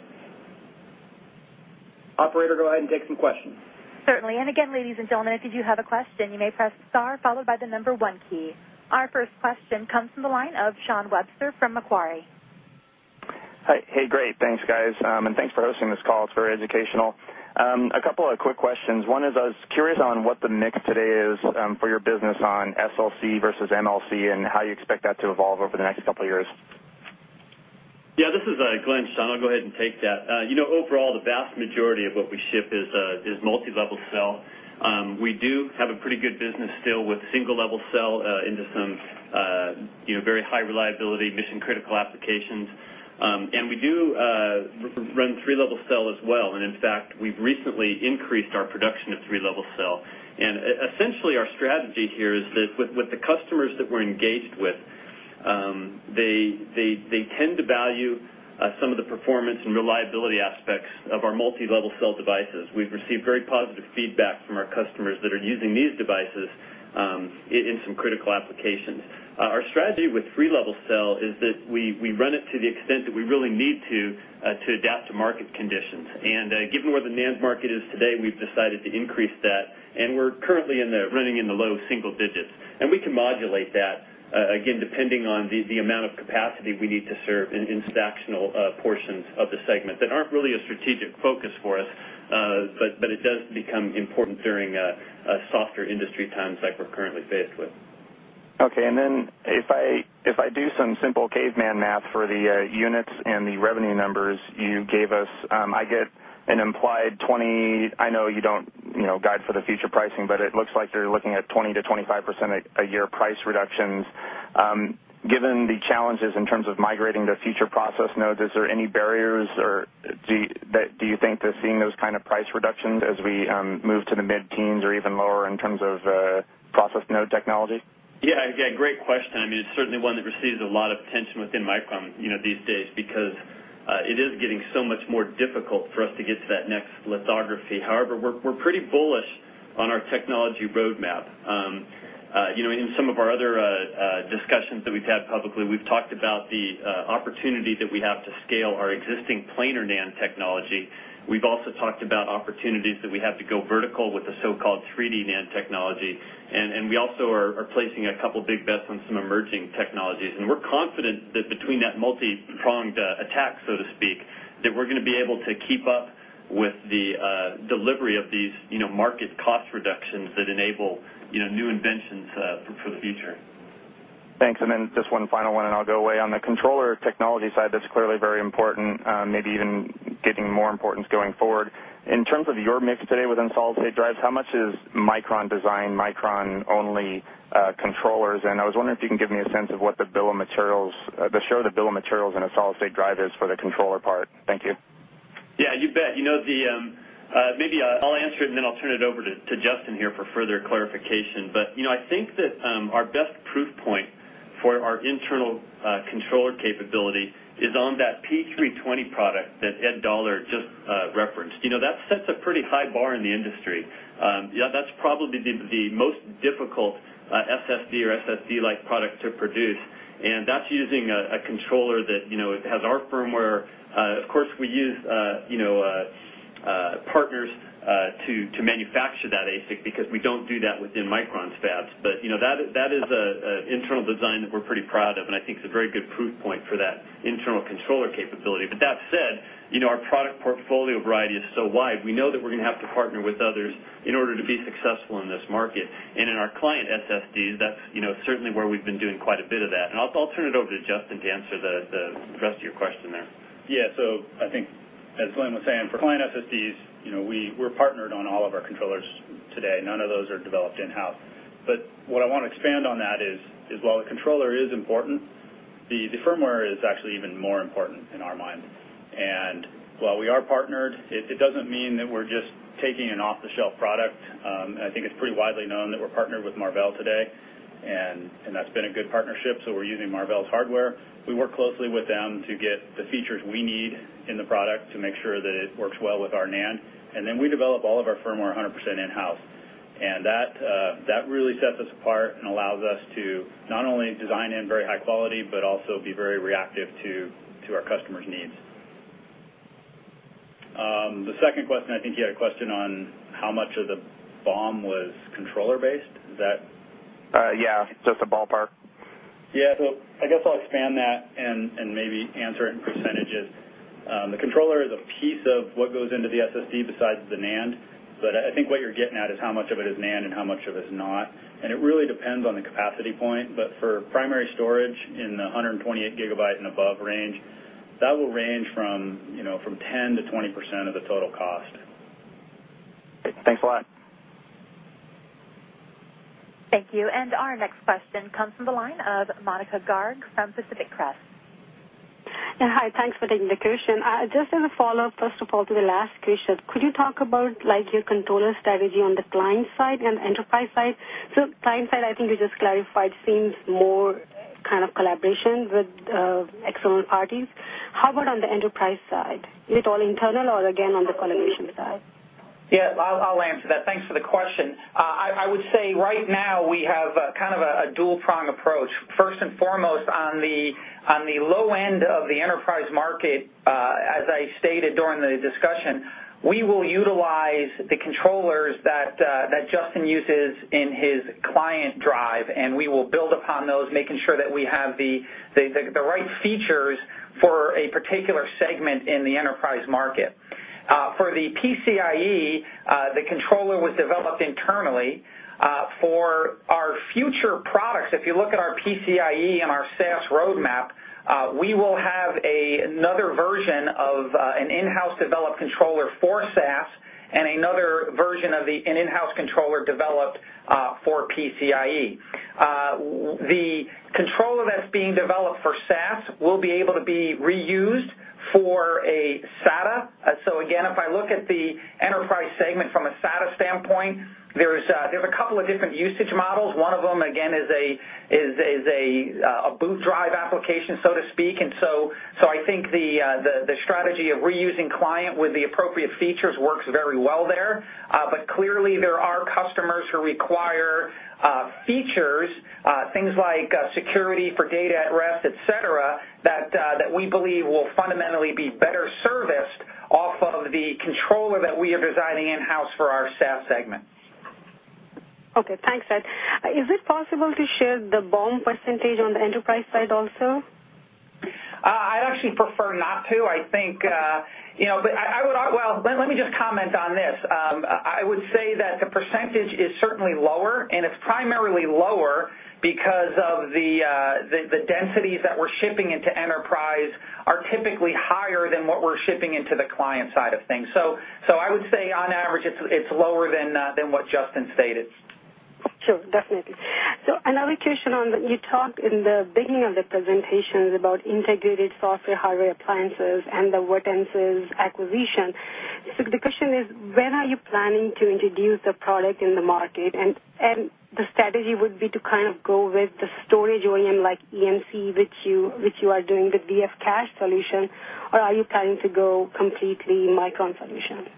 Operator, go ahead and take some questions. Certainly. Again, ladies and gentlemen, if you do have a question you may press star followed by the number one key. Our first question comes from the line of Shawn Webster from Macquarie. Hi. Hey, great. Thanks, guys. Thanks for hosting this call. It's very educational. A couple of quick questions. One is, I was curious on what the mix today is for your business on SLC versus MLC and how you expect that to evolve over the next couple of years. This is Glen, Shawn. I'll go ahead and take that. Overall, the vast majority of what we ship is Multi-Level Cell. We do have a pretty good business still with Single-Level Cell into some very high reliability, mission-critical applications. We do run Triple-Level Cell as well, in fact, we've recently increased our production of Triple-Level Cell. Essentially, our strategy here is that with the customers that we're engaged with, they tend to value some of the performance and reliability aspects of our Multi-Level Cell devices. We've received very positive feedback from our customers that are using these devices in some critical applications. Our strategy with Triple-Level Cell is that we run it to the extent that we really need to adapt to market conditions. Given where the NAND market is today, we've decided to increase that, and we're currently running in the low single digits. We can modulate that, again, depending on the amount of capacity we need to serve in sectional portions of the segment that aren't really a strategic focus for us, but it does become important during softer industry times like we're currently faced with. Okay, if I do some simple caveman math for the units and the revenue numbers you gave us, I get an implied I know you don't guide for the future pricing, but it looks like you're looking at 20%-25% a year price reductions. Given the challenges in terms of migrating to future process nodes, is there any barriers, or do you think they're seeing those kind of price reductions as we move to the mid-teens or even lower in terms of process node technology? Great question. It's certainly one that receives a lot of attention within Micron these days because it is getting so much more difficult for us to get to that next lithography. However, we're pretty bullish on our technology roadmap. In some of our other discussions that we've had publicly, we've talked about the opportunity that we have to scale our existing planar NAND technology. We've also talked about opportunities that we have to go vertical with the so-called 3D NAND technology. We also are placing a couple big bets on some emerging technologies. We're confident that between that multi-pronged attack, so to speak, that we're going to be able to keep up with the delivery of these market cost reductions that enable new inventions for the future. Thanks. Just one final one, and I'll go away. On the controller technology side, that's clearly very important, maybe even getting more importance going forward. In terms of your mix today within solid-state drives, how much is Micron-designed, Micron-only controllers? I was wondering if you can give me a sense of what the share of the bill of materials in a solid-state drive is for the controller part. Thank you. Yeah, you bet. Maybe I'll answer it, I'll turn it over to Justin here for further clarification. I think that our best proof point for our internal controller capability is on that P320 product that Ed Doller just referenced. That sets a pretty high bar in the industry. That's probably the most difficult SSD or SSD-like product to produce, and that's using a controller that has our firmware. Of course, we use partners to manufacture that ASIC because we don't do that within Micron's fabs. That is an internal design that we're pretty proud of, and I think it's a very good proof point for that internal controller capability. That said, our product portfolio variety is so wide, we know that we're going to have to partner with others in order to be successful in this market. In our client SSDs, that's certainly where we've been doing quite a bit of that. I'll turn it over to Justin to answer the rest of your question there. Yeah. I think, as Glen was saying, for client SSDs, we're partnered on all of our controllers today. None of those are developed in-house. What I want to expand on that is while the controller is important, the firmware is actually even more important in our mind. While we are partnered, it doesn't mean that we're just taking an off-the-shelf product. I think it's pretty widely known that we're partnered with Marvell today, and that's been a good partnership, so we're using Marvell's hardware. We work closely with them to get the features we need in the product to make sure that it works well with our NAND, we develop all of our firmware 100% in-house. That really sets us apart and allows us to not only design in very high quality, but also be very reactive to our customers' needs. The second question, I think you had a question on how much of the BOM was controller-based. Is that? Yeah, just a ballpark. Yeah. I guess I'll expand that and maybe answer it in percentages. The controller is a piece of what goes into the SSD besides the NAND, but I think what you're getting at is how much of it is NAND and how much of it is not, and it really depends on the capacity point. For primary storage in the 128 gigabytes and above range, that will range from 10%-20% of the total cost. Thanks a lot. Thank you. Our next question comes from the line of Monika Garg from Pacific Crest Securities. Yeah. Hi, thanks for taking the question. Just as a follow-up, first of all, to the last question, could you talk about your controller strategy on the Client side and Enterprise side? Client side, I think you just clarified, seems more kind of collaboration with external parties. How about on the Enterprise side? Is it all internal or again on the collaboration side? Yeah, I'll answer that. Thanks for the question. I would say right now we have a kind of a dual-prong approach. First and foremost, on the low end of the Enterprise market, as I stated during the discussion, we will utilize the controllers that Justin uses in his Client drive, and we will build upon those, making sure that we have the right features for a particular segment in the Enterprise market. For the PCIe, the controller was developed internally. For our future products, if you look at our PCIe and our SAS roadmap, we will have another version of an in-house developed controller for SAS and another version of an in-house controller developed for PCIe. The controller that's being developed for SAS will be able to be reused for a SATA. Again, if I look at the Enterprise segment from a SATA standpoint, there's a couple of different usage models. One of them, again, is a boot drive application, so to speak. I think the strategy of reusing Client with the appropriate features works very well there. Clearly, there are customers who require features, things like security for data at rest, et cetera, that we believe will fundamentally be better serviced off of the controller that we are designing in-house for our SAS segment. Okay, thanks. Is it possible to share the BOM % on the Enterprise side also? I actually prefer not to. Well, let me just comment on this. I would say that the % is certainly lower, and it's primarily lower because of the densities that we're shipping into Enterprise are typically higher than what we're shipping into the Client side of things. I would say on average, it's lower than what Justin stated. Sure, definitely. Another question on, you talked in the beginning of the presentation about integrated software hardware appliances and the Virtensys acquisition. The question is, when are you planning to introduce the product in the market? The strategy would be to kind of go with the storage OEM like EMC, which you are doing the VFCache solution, or are you planning to go completely Micron solution?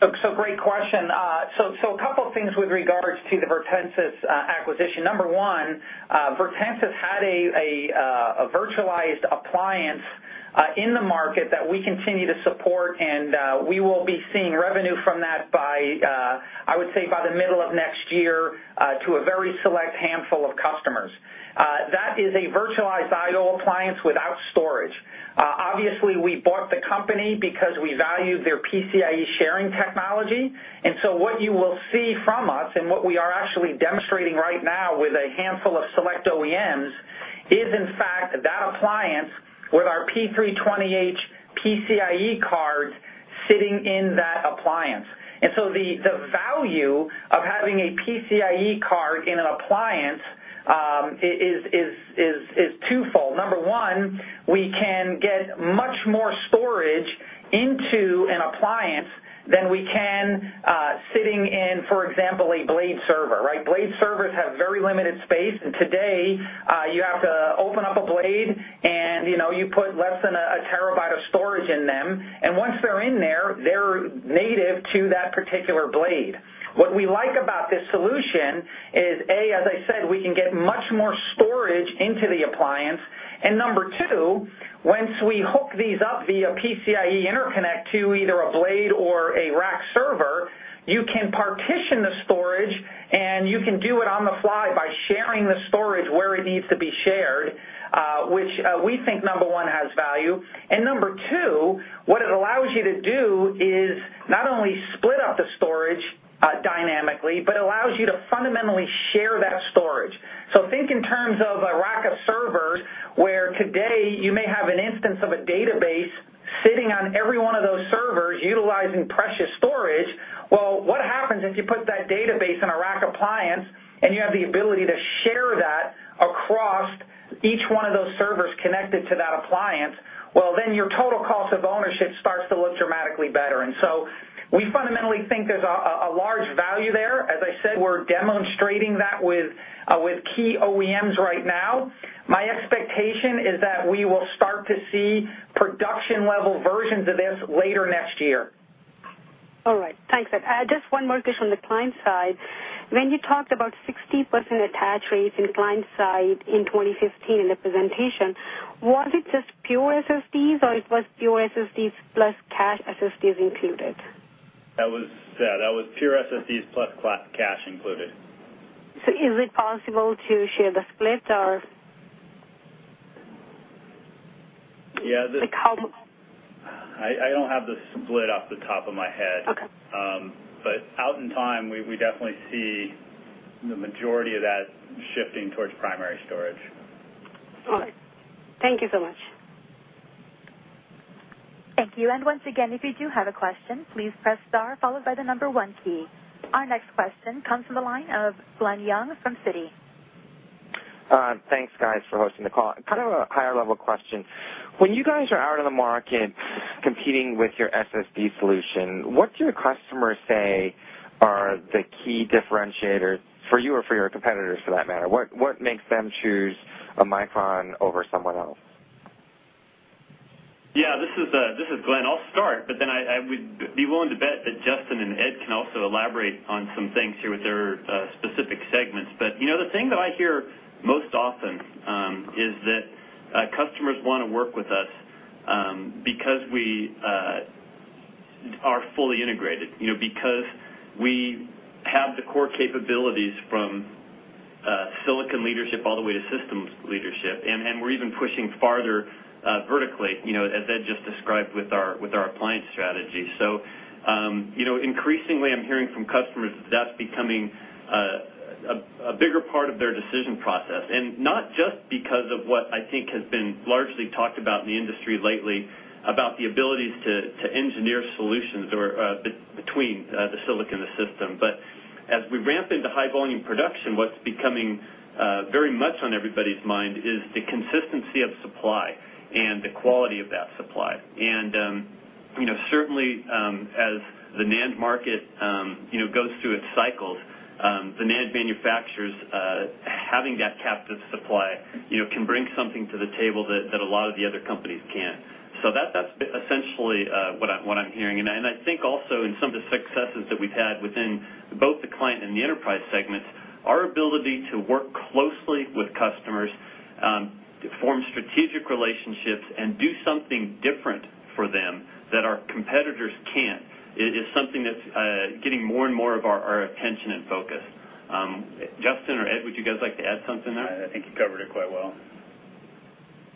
Great question. A couple things with regards to the Virtensys acquisition. Number one, Virtensys had a virtualized appliance in the market that we continue to support, and we will be seeing revenue from that by, I would say, by the middle of next year to a very select handful of customers. That is a virtualized I/O appliance without storage. Obviously, we bought the company because we value their PCIe sharing technology. What you will see from us and what we are actually demonstrating right now with a handful of select OEMs is, in fact, that appliance with our P320h PCIe card sitting in that appliance. The value of having a PCIe card in an appliance is twofold. Number one, we can get much more storage into an appliance than we can sitting in, for example, a blade server, right? Blade servers have very limited space. Today, you have to open up a blade and you put less than a terabyte of storage in them. Once they're in there, they're native to that particular blade. What we like about this solution is, A, as I said, we can get much more storage into the appliance. Number two, once we hook these up via PCIe interconnect to either a blade or a rack server, you can partition the storage and you can do it on the fly by sharing the storage where it needs to be shared, which we think, number one, has value. Number two, what it allows you to do is not only split up the storage dynamically, but allows you to fundamentally share that storage. Think in terms of a rack of servers, where today you may have an instance of a database sitting on every one of those servers utilizing precious storage. What happens if you put that database in a rack appliance and you have the ability to share that across each one of those servers connected to that appliance? Then your total cost of ownership starts to look dramatically better. We fundamentally think there's a large value there. As I said, we're demonstrating that with key OEMs right now. My expectation is that we will start to see Production-level versions of this later next year. All right. Thanks, Ed. Just one more question on the client side. When you talked about 60% attach rates in client side in 2015 in the presentation, was it just pure SSDs or it was pure SSDs plus cache SSDs included? That was pure SSDs plus cache included. Is it possible to share the split or? Yeah. Like how- I don't have the split off the top of my head. Okay. Out in time, we definitely see the majority of that shifting towards primary storage. All right. Thank you so much. Thank you. Once again, if you do have a question, please press star followed by the number 1 key. Our next question comes from the line of Glen Yeung from Citi. Thanks, guys, for hosting the call. Kind of a higher-level question. When you guys are out in the market competing with your SSD solution, what do your customers say are the key differentiators for you or for your competitors for that matter? What makes them choose a Micron over someone else? This is Glen. I would be willing to bet that Justin and Ed can also elaborate on some things here with their specific segments. The thing that I hear most often is that customers want to work with us because we are fully integrated, because we have the core capabilities from silicon leadership all the way to systems leadership, and we're even pushing farther vertically, as Ed just described with our appliance strategy. Increasingly, I'm hearing from customers that that's becoming a bigger part of their decision process, and not just because of what I think has been largely talked about in the industry lately about the abilities to engineer solutions or between the silicon and the system. As we ramp into high-volume production, what's becoming very much on everybody's mind is the consistency of supply and the quality of that supply. Certainly, as the NAND market goes through its cycles, the NAND manufacturers having that captive supply can bring something to the table that a lot of the other companies can't. That's essentially what I'm hearing. I think also in some of the successes that we've had within both the client and the enterprise segments, our ability to work closely with customers, to form strategic relationships, and do something different for them that our competitors can't, is something that's getting more and more of our attention and focus. Justin or Ed, would you guys like to add something there? I think you covered it quite well.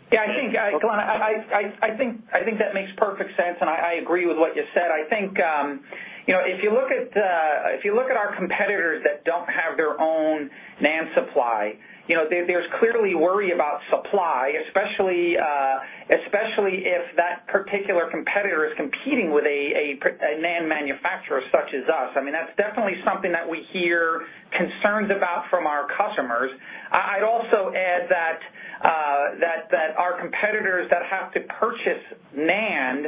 Glen, I think that makes perfect sense. I agree with what you said. I think, if you look at our competitors that don't have their own NAND supply, there's clearly worry about supply, especially if that particular competitor is competing with a NAND manufacturer such as us. That's definitely something that we hear concerns about from our customers. I'd also add that our competitors that have to purchase NAND,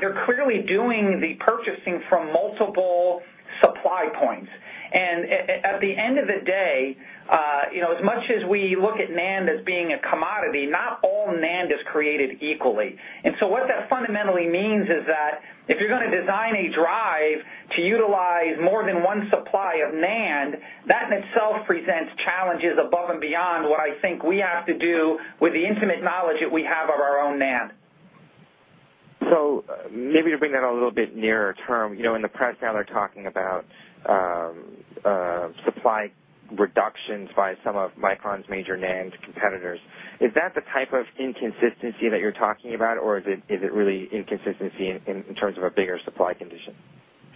they're clearly doing the purchasing from multiple supply points. At the end of the day, as much as we look at NAND as being a commodity, not all NAND is created equally. What that fundamentally means is that if you're going to design a drive to utilize more than one supply of NAND, that in itself presents challenges above and beyond what I think we have to do with the intimate knowledge that we have of our own NAND. Maybe to bring that a little bit nearer term, in the press now, they're talking about supply reductions by some of Micron's major NAND competitors. Is that the type of inconsistency that you're talking about, or is it really inconsistency in terms of a bigger supply condition?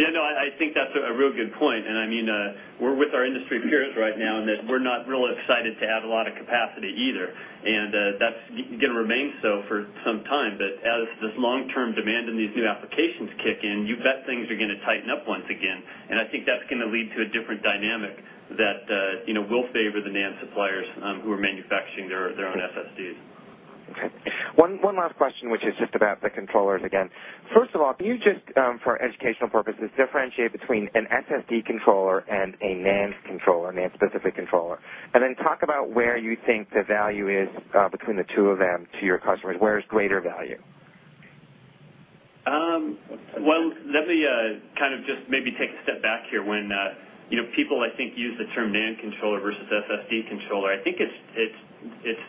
Yeah, no, I think that's a real good point. We're with our industry peers right now in that we're not real excited to add a lot of capacity either, and that's going to remain so for some time. As this long-term demand and these new applications kick in, you bet things are going to tighten up once again, and I think that's going to lead to a different dynamic that will favor the NAND suppliers who are manufacturing their own SSDs. Okay. One last question, which is just about the controllers again. First of all, can you just, for educational purposes, differentiate between an SSD controller and a NAND controller, a NAND-specific controller, and then talk about where you think the value is between the two of them to your customers. Where is greater value? Well, let me just maybe take a step back here. When people, I think, use the term NAND controller versus SSD controller, I think it's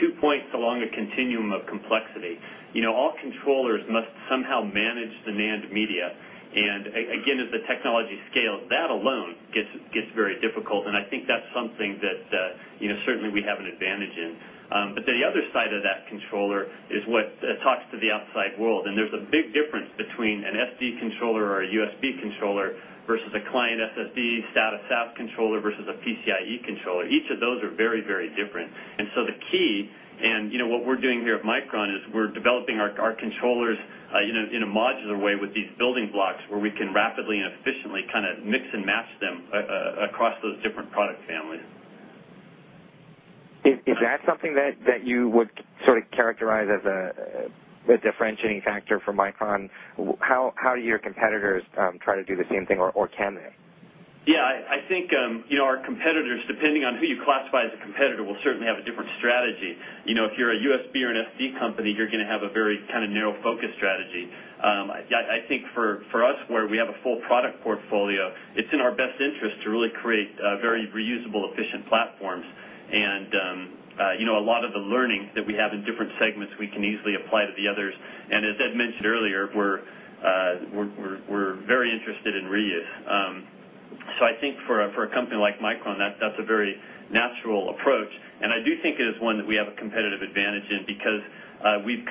two points along a continuum of complexity. All controllers must somehow manage the NAND media. Again, as the technology scales, that alone gets very difficult, and I think that's something that certainly we have an advantage in. The other side of that controller is what talks to the outside world, and there's a big difference between an SD controller or a USB controller versus a client SSD SATA SAS controller versus a PCIe controller. Each of those are very, very different. The key, and what we're doing here at Micron is we're developing our controllers in a modular way with these building blocks where we can rapidly and efficiently mix and match them across those different product families. Is that something that you would characterize as a differentiating factor for Micron? How do your competitors try to do the same thing, or can they? Yeah. I think our competitors, depending on who you classify as a competitor, will certainly have a different strategy. If you're a USB or an SD company, you're going to have a very narrow focus strategy. I think for us, where we have a full product portfolio, it's in our best interest to really create very reusable, efficient platforms. A lot of the learning that we have in different segments we can easily apply to the others. As Ed mentioned earlier, we're very interested in reuse. I think for a company like Micron, that's a very natural approach, and I do think it is one that we have a competitive advantage in because we've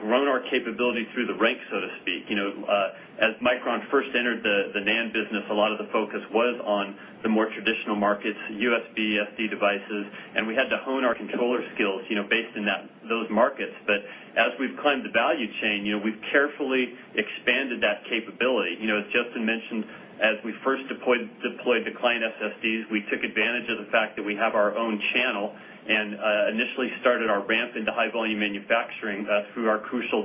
grown our capability through the ranks, so to speak. As Micron first entered the NAND business, a lot of the focus was on the more traditional markets, USB, SD devices, we had to hone our controller skills, based in those markets. As we've climbed the value chain, we've carefully expanded that capability. As Justin mentioned, as we first deployed the client SSDs, we took advantage of the fact that we have our own channel and initially started our ramp into high-volume manufacturing through our Crucial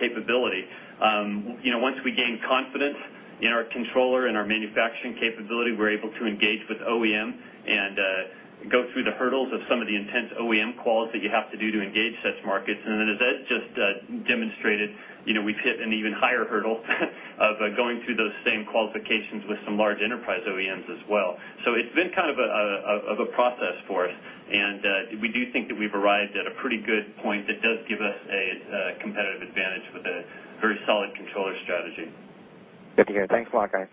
capability. Once we gained confidence in our controller and our manufacturing capability, we were able to engage with OEM and go through the hurdles of some of the intense OEM quals that you have to do to engage such markets. As Ed just demonstrated, we've hit an even higher hurdle of going through those same qualifications with some large enterprise OEMs as well. It's been kind of a process for us, and we do think that we've arrived at a pretty good point that does give us a competitive advantage with a very solid controller strategy. Good to hear. Thanks a lot, guys.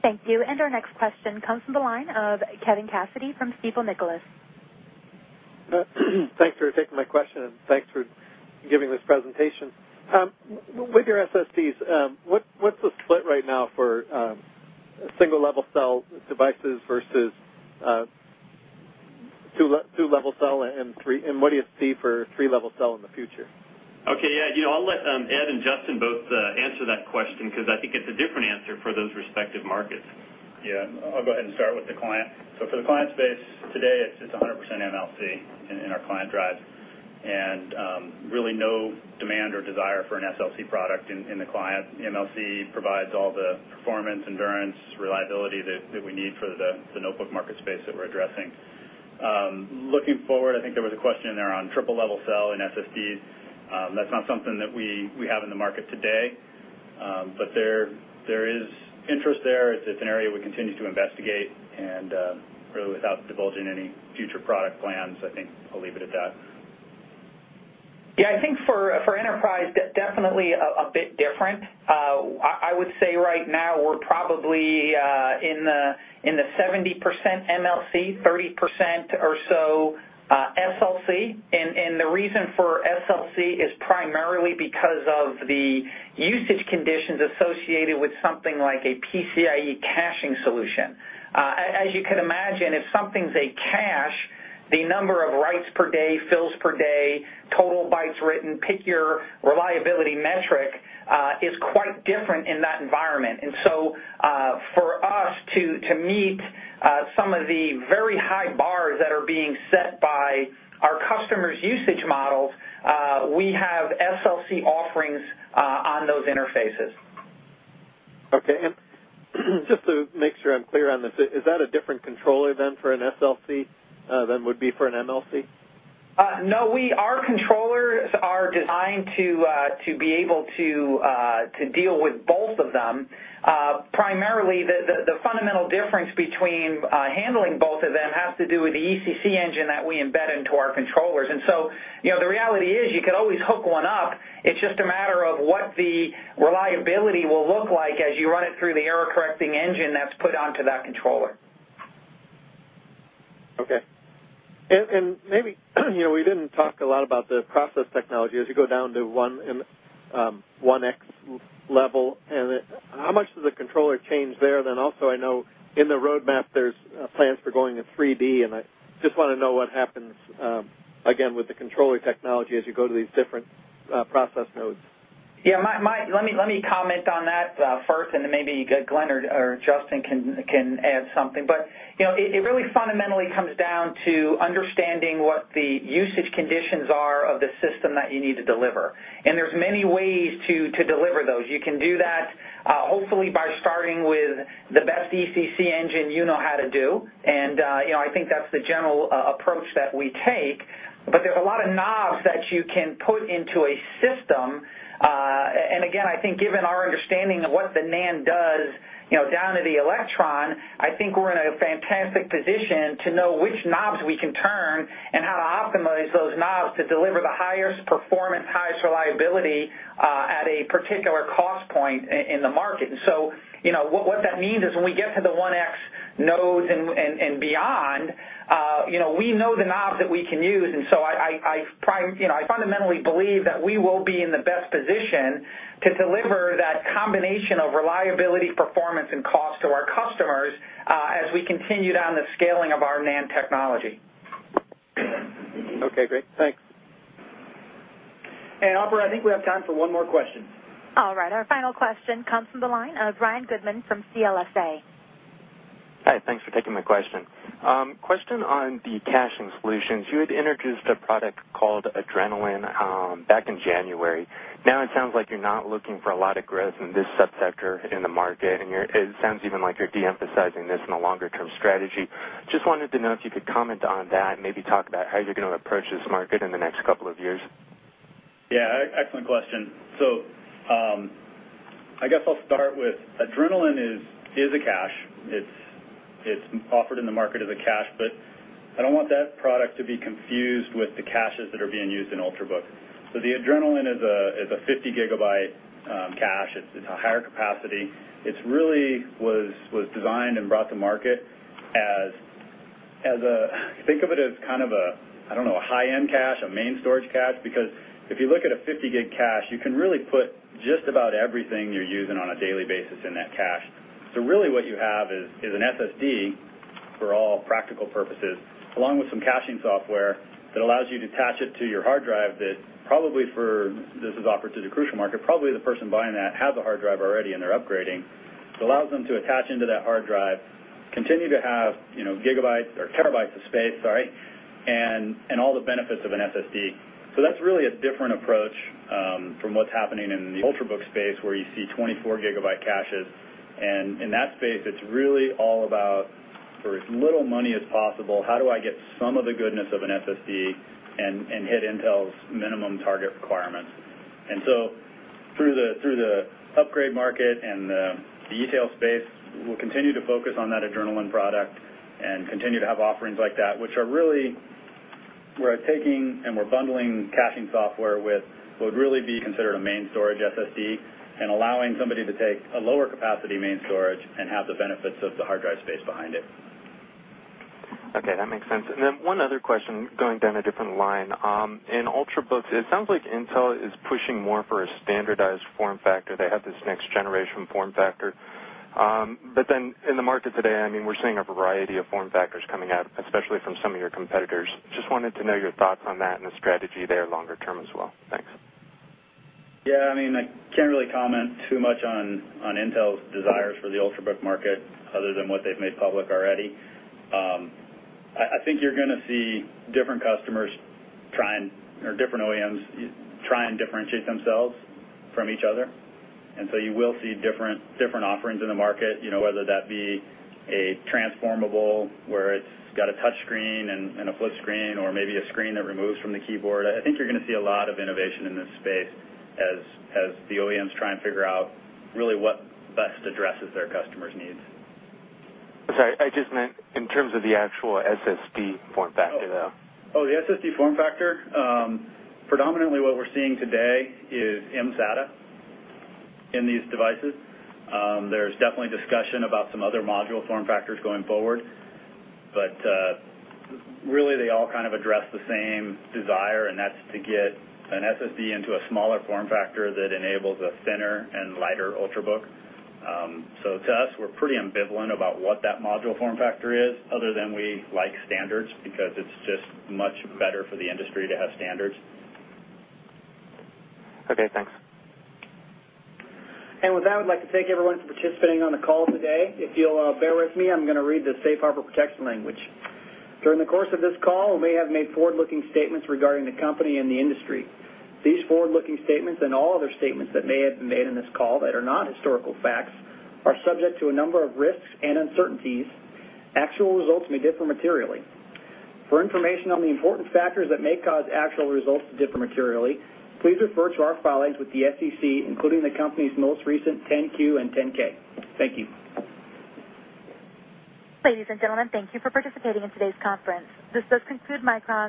Thank you. Our next question comes from the line of Kevin Cassidy from Stifel Nicolaus. Thanks for taking my question and thanks for giving this presentation. With your SSDs, what's the split right now for Single-Level Cell devices versus Multi-Level Cell, and what do you see for Triple-Level Cell in the future? Okay. Yeah. I'll let Ed and Justin both answer that question, because I think it's a different answer for those respective markets. Yeah. I'll go ahead and start with the client. For the client space, today it's 100% MLC in our client drive, and really no demand or desire for an SLC product in the client. MLC provides all the performance, endurance, reliability that we need for the notebook market space that we're addressing. Looking forward, I think there was a question there on Triple-Level Cell in SSDs. That's not something that we have in the market today. There is interest there. It's an area we continue to investigate. Really, without divulging any future product plans, I think I'll leave it at that. Yeah. I think for enterprise, definitely a bit different. I would say right now we're probably in the 70% MLC, 30% or so SLC. The reason for SLC is primarily because of the usage conditions associated with something like a PCIe caching solution. As you can imagine, if something's a cache, the number of writes per day, fills per day, total bytes written, pick your reliability metric, is quite different in that environment. For us to meet some of the very high bars that are being set by our customers' usage models, we have SLC offerings on those interfaces. Okay. Just to make sure I'm clear on this, is that a different controller than for an SLC than would be for an MLC? No. Our controllers are designed to be able to deal with both of them. Primarily, the fundamental difference between handling both of them has to do with the ECC engine that we embed into our controllers. The reality is you could always hook one up. It's just a matter of what the reliability will look like as you run it through the error-correcting engine that's put onto that controller. Okay. Maybe, we didn't talk a lot about the process technology as you go down to 1x level. How much does the controller change there? Also, I know in the roadmap, there's plans for going to 3D, I just want to know what happens, again, with the controller technology as you go to these different process nodes. Yeah. Let me comment on that first, then maybe Glen or Justin can add something. It really fundamentally comes down to understanding what the usage conditions are of the system that you need to deliver. There's many ways to deliver those. You can do that hopefully by starting with the best ECC engine you know how to do, I think that's the general approach that we take, there's a lot of knobs that you can put into a system. Again, I think given our understanding of what the NAND does down to the electron, I think we're in a fantastic position to know which knobs we can turn and how to optimize those knobs to deliver the highest performance, highest reliability at a particular cost point in the market. What that means is when we get to the 1x nodes and beyond, we know the knobs that we can use, I fundamentally believe that we will be in the best position to deliver that combination of reliability, performance, and cost to our customers as we continue down the scaling of our NAND technology. Okay, great. Thanks. Operator, I think we have time for one more question. All right. Our final question comes from the line of Ryan Goodman from CLSA. Hi, thanks for taking my question. Question on the caching solutions. You had introduced a product called Adrenalin back in January. Now it sounds like you're not looking for a lot of growth in this sub-sector in the market, and it sounds even like you're de-emphasizing this in a longer-term strategy. Just wanted to know if you could comment on that and maybe talk about how you're going to approach this market in the next couple of years. Yeah. Excellent question. I guess I'll start with Adrenalin is a cache. It's offered in the market as a cache, but I don't want that product to be confused with the caches that are being used in Ultrabook. The Adrenalin is a 50-gigabyte cache. It's a higher capacity. It really was designed and brought to market as a high-end cache, a main storage cache. Because if you look at a 50-gig cache, you can really put just about everything you're using on a daily basis in that cache. Really what you have is an SSD for all practical purposes, along with some caching software that allows you to attach it to your hard drive that, this is offered to the Crucial market, probably the person buying that has a hard drive already, and they're upgrading. It allows them to attach into that hard drive, continue to have terabytes of space, and all the benefits of an SSD. That's really a different approach from what's happening in the Ultrabook space, where you see 24-gigabyte caches, and in that space, it's really all about for as little money as possible, how do I get some of the goodness of an SSD and hit Intel's minimum target requirements? Through the upgrade market and the e-tail space, we'll continue to focus on that Adrenalin product and continue to have offerings like that, which are really, we're taking and we're bundling caching software with would really be considered a main storage SSD and allowing somebody to take a lower capacity main storage and have the benefits of the hard drive space behind it. Okay. That makes sense. One other question, going down a different line. In Ultrabooks, it sounds like Intel is pushing more for a standardized form factor. They have this next-generation form factor. In the market today, we're seeing a variety of form factors coming out, especially from some of your competitors. Just wanted to know your thoughts on that and the strategy there longer term as well. Thanks. Yeah. I can't really comment too much on Intel's desires for the Ultrabook market other than what they've made public already. I think you're going to see different customers try and—or different OEMs try and differentiate themselves from each other. You will see different offerings in the market, whether that be a transformable, where it's got a touch screen and a flip screen, or maybe a screen that removes from the keyboard. I think you're going to see a lot of innovation in this space as the OEMs try and figure out really what best addresses their customers' needs. Sorry, I just meant in terms of the actual SSD form factor, though. Oh, the SSD form factor? Predominantly what we're seeing today is mSATA in these devices. There's definitely discussion about some other module form factors going forward, but really, they all kind of address the same desire, and that's to get an SSD into a smaller form factor that enables a thinner and lighter Ultrabook. To us, we're pretty ambivalent about what that module form factor is other than we like standards because it's just much better for the industry to have standards. Okay, thanks. With that, I would like to thank everyone for participating on the call today. If you'll bear with me, I'm going to read the safe harbor protection language. During the course of this call, we may have made forward-looking statements regarding the company and the industry. These forward-looking statements and all other statements that may have been made in this call that are not historical facts are subject to a number of risks and uncertainties. Actual results may differ materially. For information on the important factors that may cause actual results to differ materially, please refer to our filings with the SEC, including the company's most recent 10-Q and 10-K. Thank you. Ladies and gentlemen, thank you for participating in today's conference. This does conclude Micron's